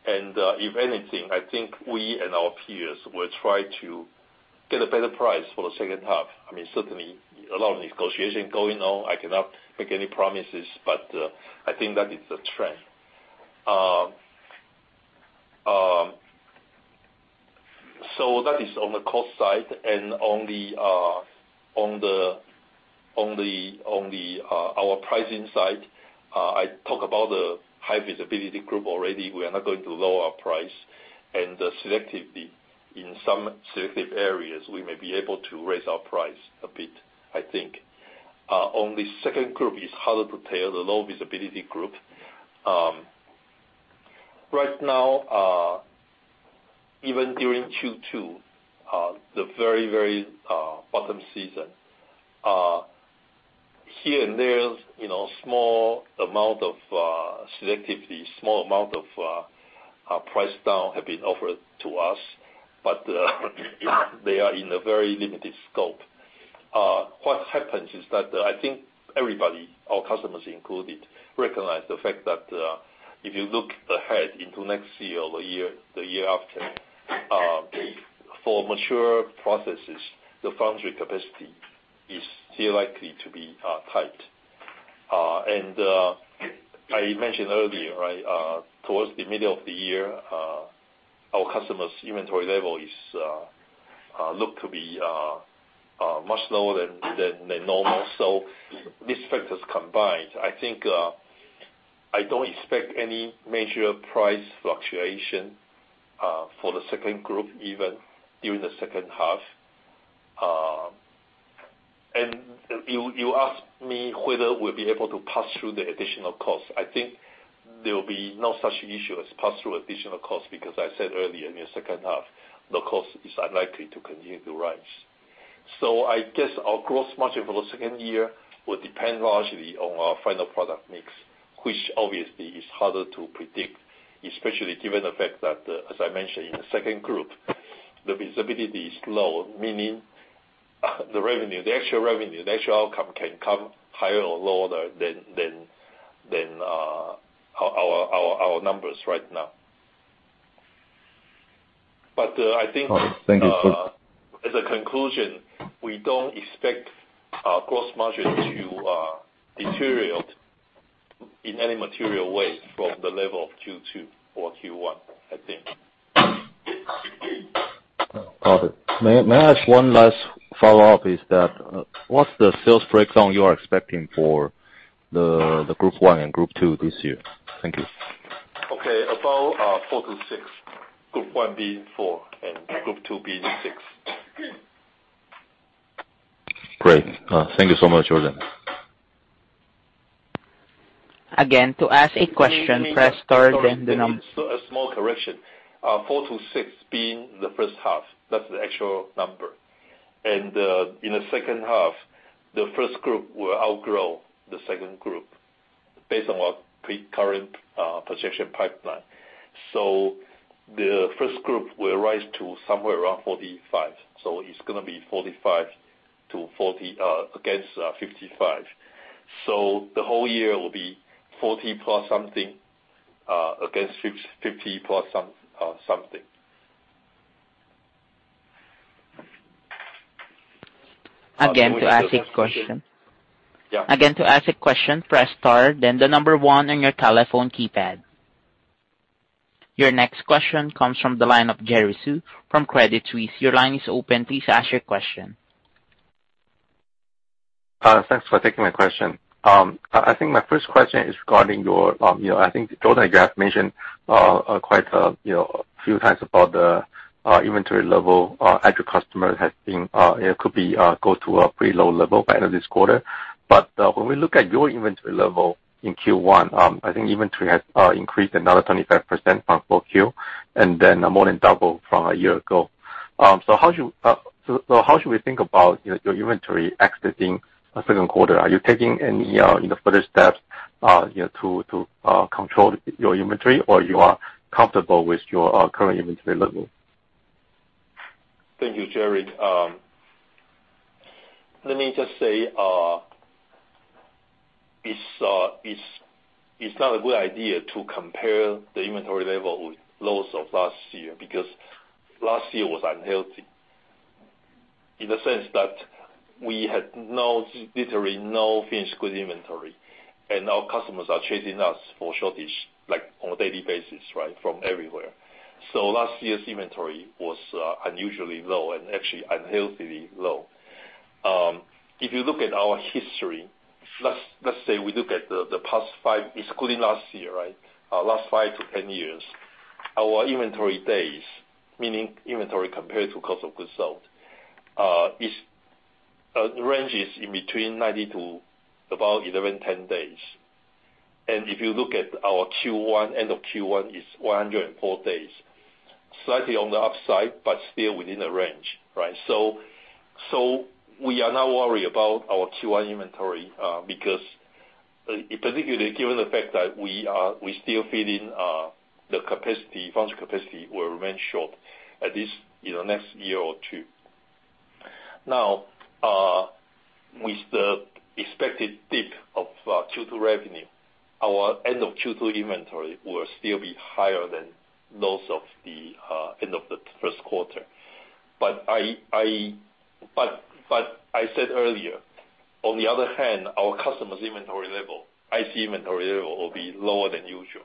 If anything, I think we and our peers will try to get a better price for the second half. I mean, certainly a lot of negotiation going on. I cannot make any promises, but, I think that is the trend. That is on the cost side and on our pricing side, I talk about the high visibility group already. We are not going to lower our price. Selectively, in some selective areas, we may be able to raise our price a bit, I think. On the second group is harder to tell, the low visibility group. Right now, even during Q2, the very bottom season, here and there, you know, selectively small amount of price down have been offered to us, but they are in a very limited scope. What happens is that I think everybody, our customers included, recognize the fact that if you look ahead into next year or the year after, for mature processes, the foundry capacity is still likely to be tight. I mentioned earlier, right, towards the middle of the year, our customers' inventory level is likely to be much lower than normal. These factors combined, I think, I don't expect any major price fluctuation for the second group, even during the second half. You asked me whether we'll be able to pass through the additional cost. I think there will be no such issue as pass through additional cost because I said earlier in the second half, the cost is unlikely to continue to rise. I guess our gross margin for the second half will depend largely on our final product mix, which obviously is harder to predict, especially given the fact that, as I mentioned in the second half, the visibility is low, meaning the revenue, the actual revenue, the actual outcome can come higher or lower than our numbers right now. I think Thank you. As a conclusion, we don't expect our gross margin to deteriorate in any material way from the level of Q2 or Q1, I think. Got it. May I ask one last follow-up, is that what's the sales breakdown you are expecting for the group one and group two this year? Thank you. Okay. About 4 to 6. Group one being 4 and group two being 6. Great. Thank you so much, Jordan. Again, to ask a question, press star then the number. Sorry. A small correction. 4%-6% being the first half. That's the actual number. In the second half, the first group will outgrow the second group based on what our current projection pipeline. The first group will rise to somewhere around 45. It's gonna be 45 to 40 against 55. The whole year will be 40 plus something against 50 plus some something. Again, to ask a question. Yeah. Again, to ask a question, press star then the number one on your telephone keypad. Your next question comes from the line of Jerry Su from Credit Suisse. Your line is open. Please ask your question. Thanks for taking my question. I think my first question is regarding your, you know, I think Jordan, you have mentioned quite a few times about the inventory level. Our end customers have been able to go to a pretty low level by end of this quarter. When we look at your inventory level in Q1, I think inventory has increased another 25% from 4Q, and then more than double from a year ago. How should we think about your inventory exiting the second quarter? Are you taking any, you know, further steps, you know, to control your inventory, or are you comfortable with your current inventory level? Thank you, Jerry. Let me just say, it's not a good idea to compare the inventory level with lows of last year, because last year was unhealthy. In the sense that we had no, literally no finished goods inventory, and our customers are chasing us for shortage, like on a daily basis, right, from everywhere. So last year's inventory was unusually low and actually unhealthily low. If you look at our history, let's say we look at the past 5, excluding last year, right, last 5 to 10 years. Our inventory days, meaning inventory compared to cost of goods sold, ranges in between 90 to about 11-10 days. If you look at our Q1, end of Q1 is 104 days. Slightly on the upside, but still within the range, right? We are not worried about our Q1 inventory, because, particularly given the fact that we're still feeling the capacity, foundry capacity will remain short, at least in the next year or two. Now, with the expected dip of Q2 revenue, our end of Q2 inventory will still be higher than those of the end of the first quarter. I said earlier, on the other hand, our customers' inventory level, IC inventory level, will be lower than usual.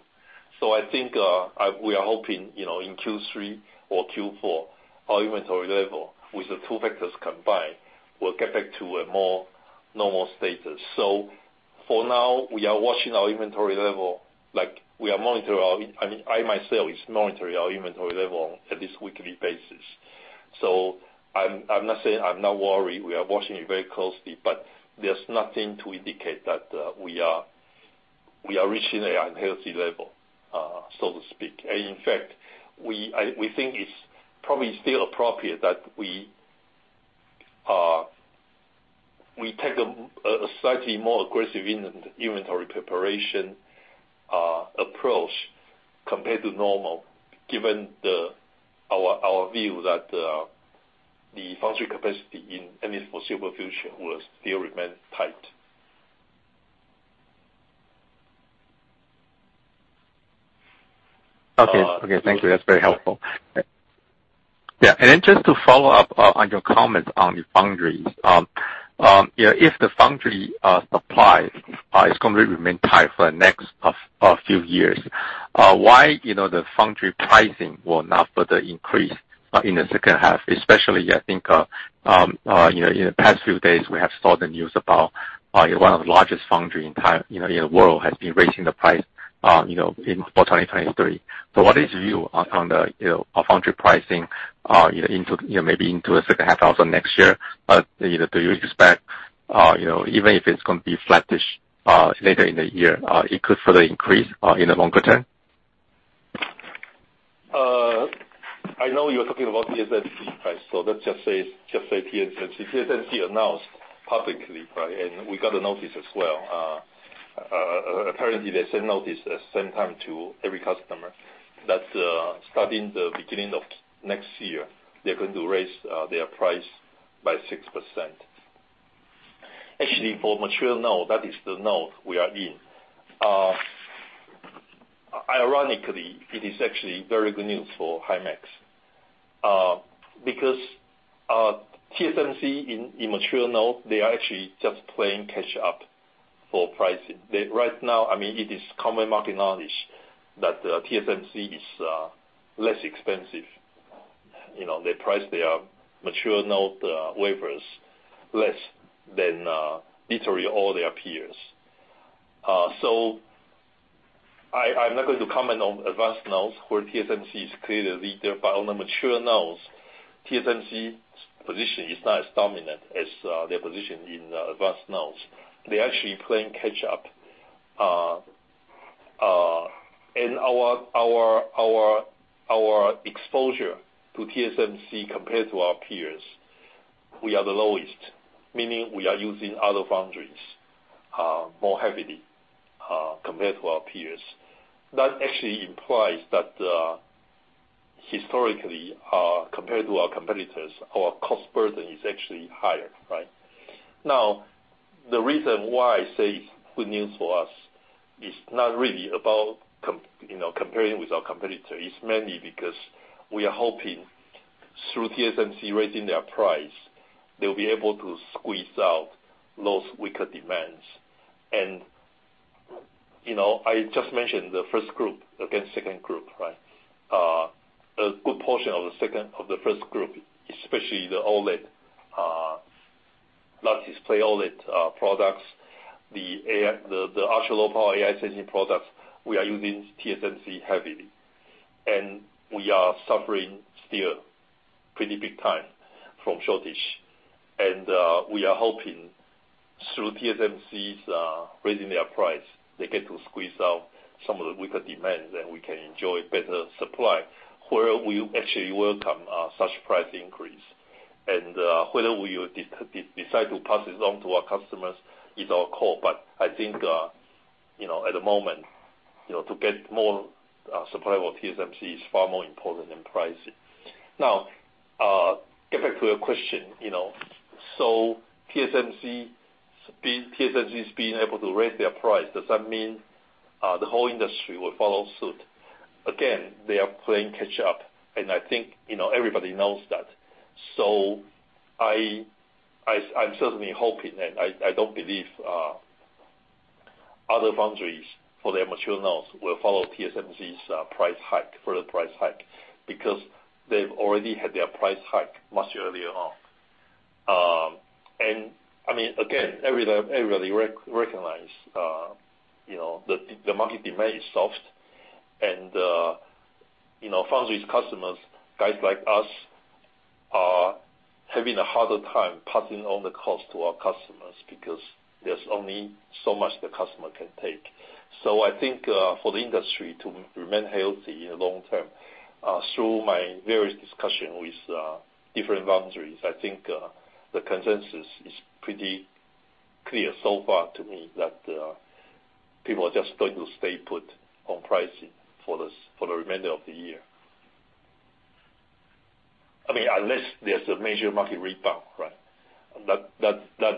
I think, we are hoping, you know, in Q3 or Q4, our inventory level with the two factors combined, will get back to a more normal status. For now, we are watching our inventory level, like, I mean, I myself is monitoring our inventory level on a weekly basis. I'm not saying I'm not worried. We are watching it very closely, but there's nothing to indicate that we are reaching an unhealthy level, so to speak. In fact, we think it's probably still appropriate that we take a slightly more aggressive inventory preparation approach compared to normal given our view that the foundry capacity in at least the foreseeable future will still remain tight. Okay. Thank you. That's very helpful. Yeah, and then just to follow up on your comments on the foundries. You know, if the foundry supply is going to remain tight for the next few years, why you know, the foundry pricing will not further increase in the second half? Especially I think, you know, in the past few days, we have saw the news about one of the largest foundry in Taiwan, you know, in the world, has been raising the price, you know, in for 2023. So what is your view on the, you know, on foundry pricing, you know, into, you know, maybe into the second half of next year? You know, do you expect, you know, even if it's gonna be flattish later in the year, it could further increase in the longer term? I know you're talking about TSMC, right? Let's just say TSMC. TSMC announced publicly, right, and we got a notice as well. Apparently they sent notice at the same time to every customer that, starting the beginning of next year, they're going to raise their price by 6%. Actually, for mature node, that is the node we are in. Ironically, it is actually very good news for Himax. Because, TSMC in mature node, they are actually just playing catch up for pricing. They, right now, I mean, it is common market knowledge that, TSMC is less expensive. You know, they price their mature node, wafers less than, literally all their peers. I'm not going to comment on advanced nodes where TSMC is clearly the leader. On the mature nodes, TSMC's position is not as dominant as their position in advanced nodes. They're actually playing catch up. And our exposure to TSMC compared to our peers, we are the lowest. Meaning we are using other foundries more heavily compared to our peers. That actually implies that historically compared to our competitors, our cost burden is actually higher, right? Now, the reason why I say good news for us is not really about you know, comparing with our competitor. It's mainly because we are hoping through TSMC raising their price, they'll be able to squeeze out those weaker demands. You know, I just mentioned the first group against second group, right? A good portion of the first group, especially the OLED, large display OLED, products, the ultra-low power AI sensing products, we are using TSMC heavily. We are suffering still pretty big time from shortage. We are hoping through TSMC's raising their price, they get to squeeze out some of the weaker demands, and we can enjoy better supply, where we actually welcome such price increase. Whether we decide to pass this on to our customers is our call. I think, you know, at the moment, you know, to get more supply of TSMC is far more important than pricing. Now, get back to your question, you know. TSMC's being able to raise their price, does that mean the whole industry will follow suit? They are playing catch up, and I think, you know, everybody knows that. I'm certainly hoping, and I don't believe other foundries for their mature nodes will follow TSMC's price hike, further price hike, because they've already had their price hike much earlier on. I mean, again, everybody recognize, you know, the market demand is soft. You know, foundry's customers, guys like us, are having a harder time passing on the cost to our customers because there's only so much the customer can take. I think, for the industry to remain healthy in the long term, through my various discussion with different foundries, I think, the consensus is pretty clear so far to me that people are just going to stay put on pricing for this, for the remainder of the year. I mean, unless there's a major market rebound, right? That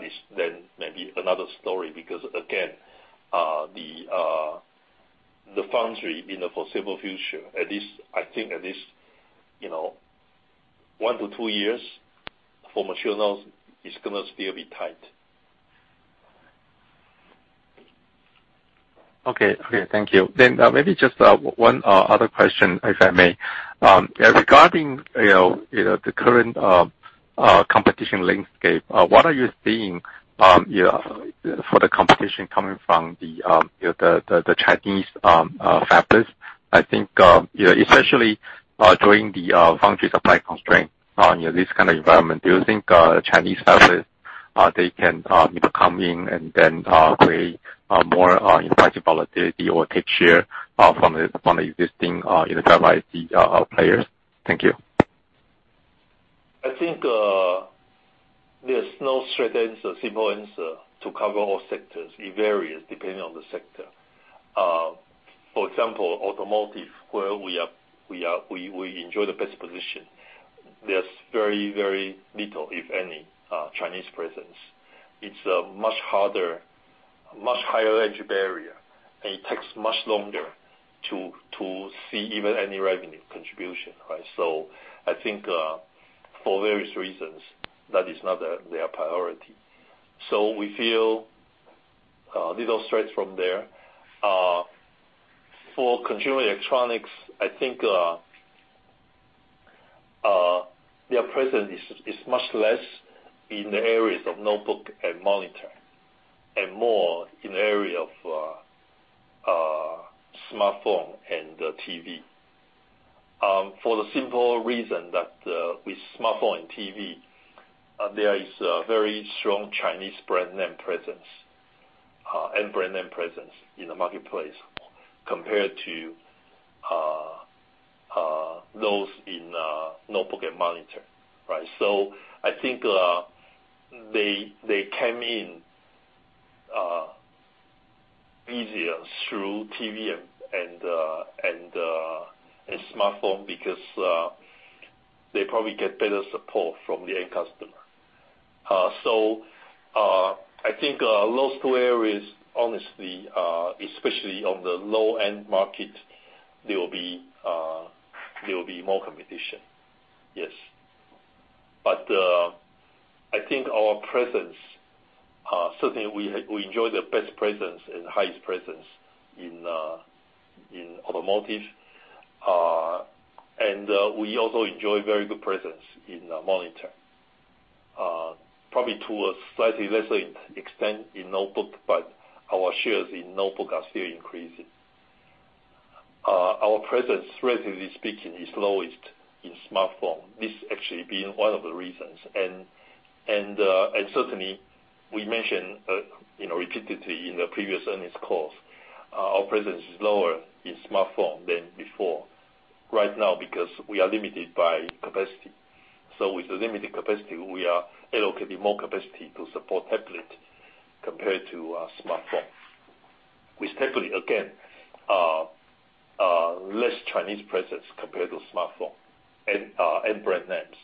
is then maybe another story because again, the foundry in the foreseeable future, at least, I think at least, you know, 1-2 years for mature nodes is gonna still be tight. Okay. Okay, thank you. Maybe just one other question, if I may. Regarding, you know, the current competition landscape, what are you seeing, you know, for the competition coming from, you know, the Chinese fabless? I think, you know, especially during the foundry supply constraint, you know, this kind of environment, do you think Chinese fabless they can, you know, come in and then create more impact volatility or take share from the existing, you know, driver IC players? Thank you. I think there's no straight answer, simple answer to cover all sectors. It varies depending on the sector. For example, automotive, where we are, we enjoy the best position. There's very, very little, if any, Chinese presence. It's a much harder, much higher entry barrier, and it takes much longer to see even any revenue contribution, right? I think, for various reasons, that is not their priority. So we feel little threat from there. For consumer electronics, I think their presence is much less in the areas of notebook and monitor and more in the area of smartphone and TV. For the simple reason that, with smartphone and TV, there is a very strong Chinese brand name presence, and brand name presence in the marketplace compared to those in notebook and monitor, right? I think they came in easier through TV and smartphone because they probably get better support from the end customer. I think those two areas, honestly, especially on the low-end market, there will be more competition. Yes. I think our presence, certainly we enjoy the best presence and highest presence in automotive. We also enjoy very good presence in monitor. Probably to a slightly lesser extent in notebook, but our shares in notebook are still increasing. Our presence relatively speaking is lowest in smartphone. This actually being one of the reasons. Certainly, we mentioned, you know, repeatedly in the previous earnings calls, our presence is lower in smartphone than before right now because we are limited by capacity. With the limited capacity, we are allocating more capacity to support tablet compared to smartphone. With tablet, again, less Chinese presence compared to smartphone and brand names,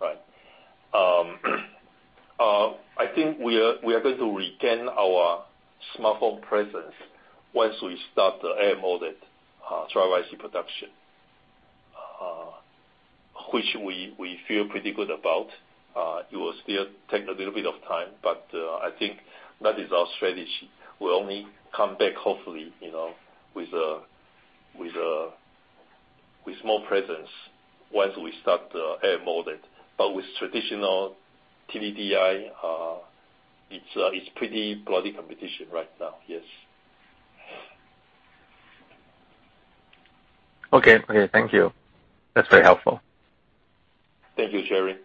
right? I think we are going to regain our smartphone presence once we start the AMOLED driver IC production, which we feel pretty good about. It will still take a little bit of time, but I think that is our strategy. We'll only come back hopefully, you know, with more presence once we start the AMOLED. With traditional TDDI, it's pretty bloody competition right now, yes. Okay. Okay, thank you. That's very helpful. Thank you, Jerry.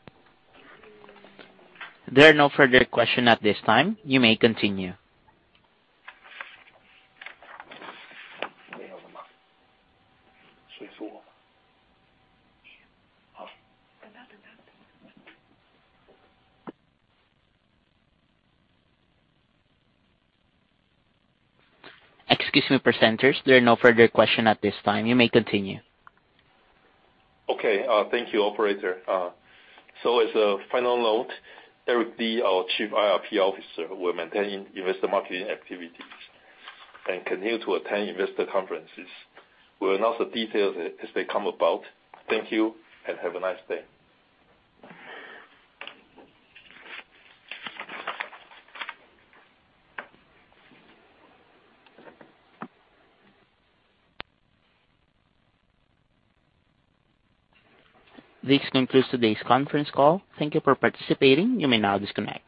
There are no further questions at this time. You may continue. Excuse me, presenters. There are no further questions at this time. You may continue. Okay. Thank you, operator. As a final note, Eric Li, our Chief IR/PR Officer, will maintain investor marketing activities and continue to attend investor conferences. We'll announce the details as they come about. Thank you, and have a nice day. This concludes today's conference call. Thank you for participating. You may now disconnect.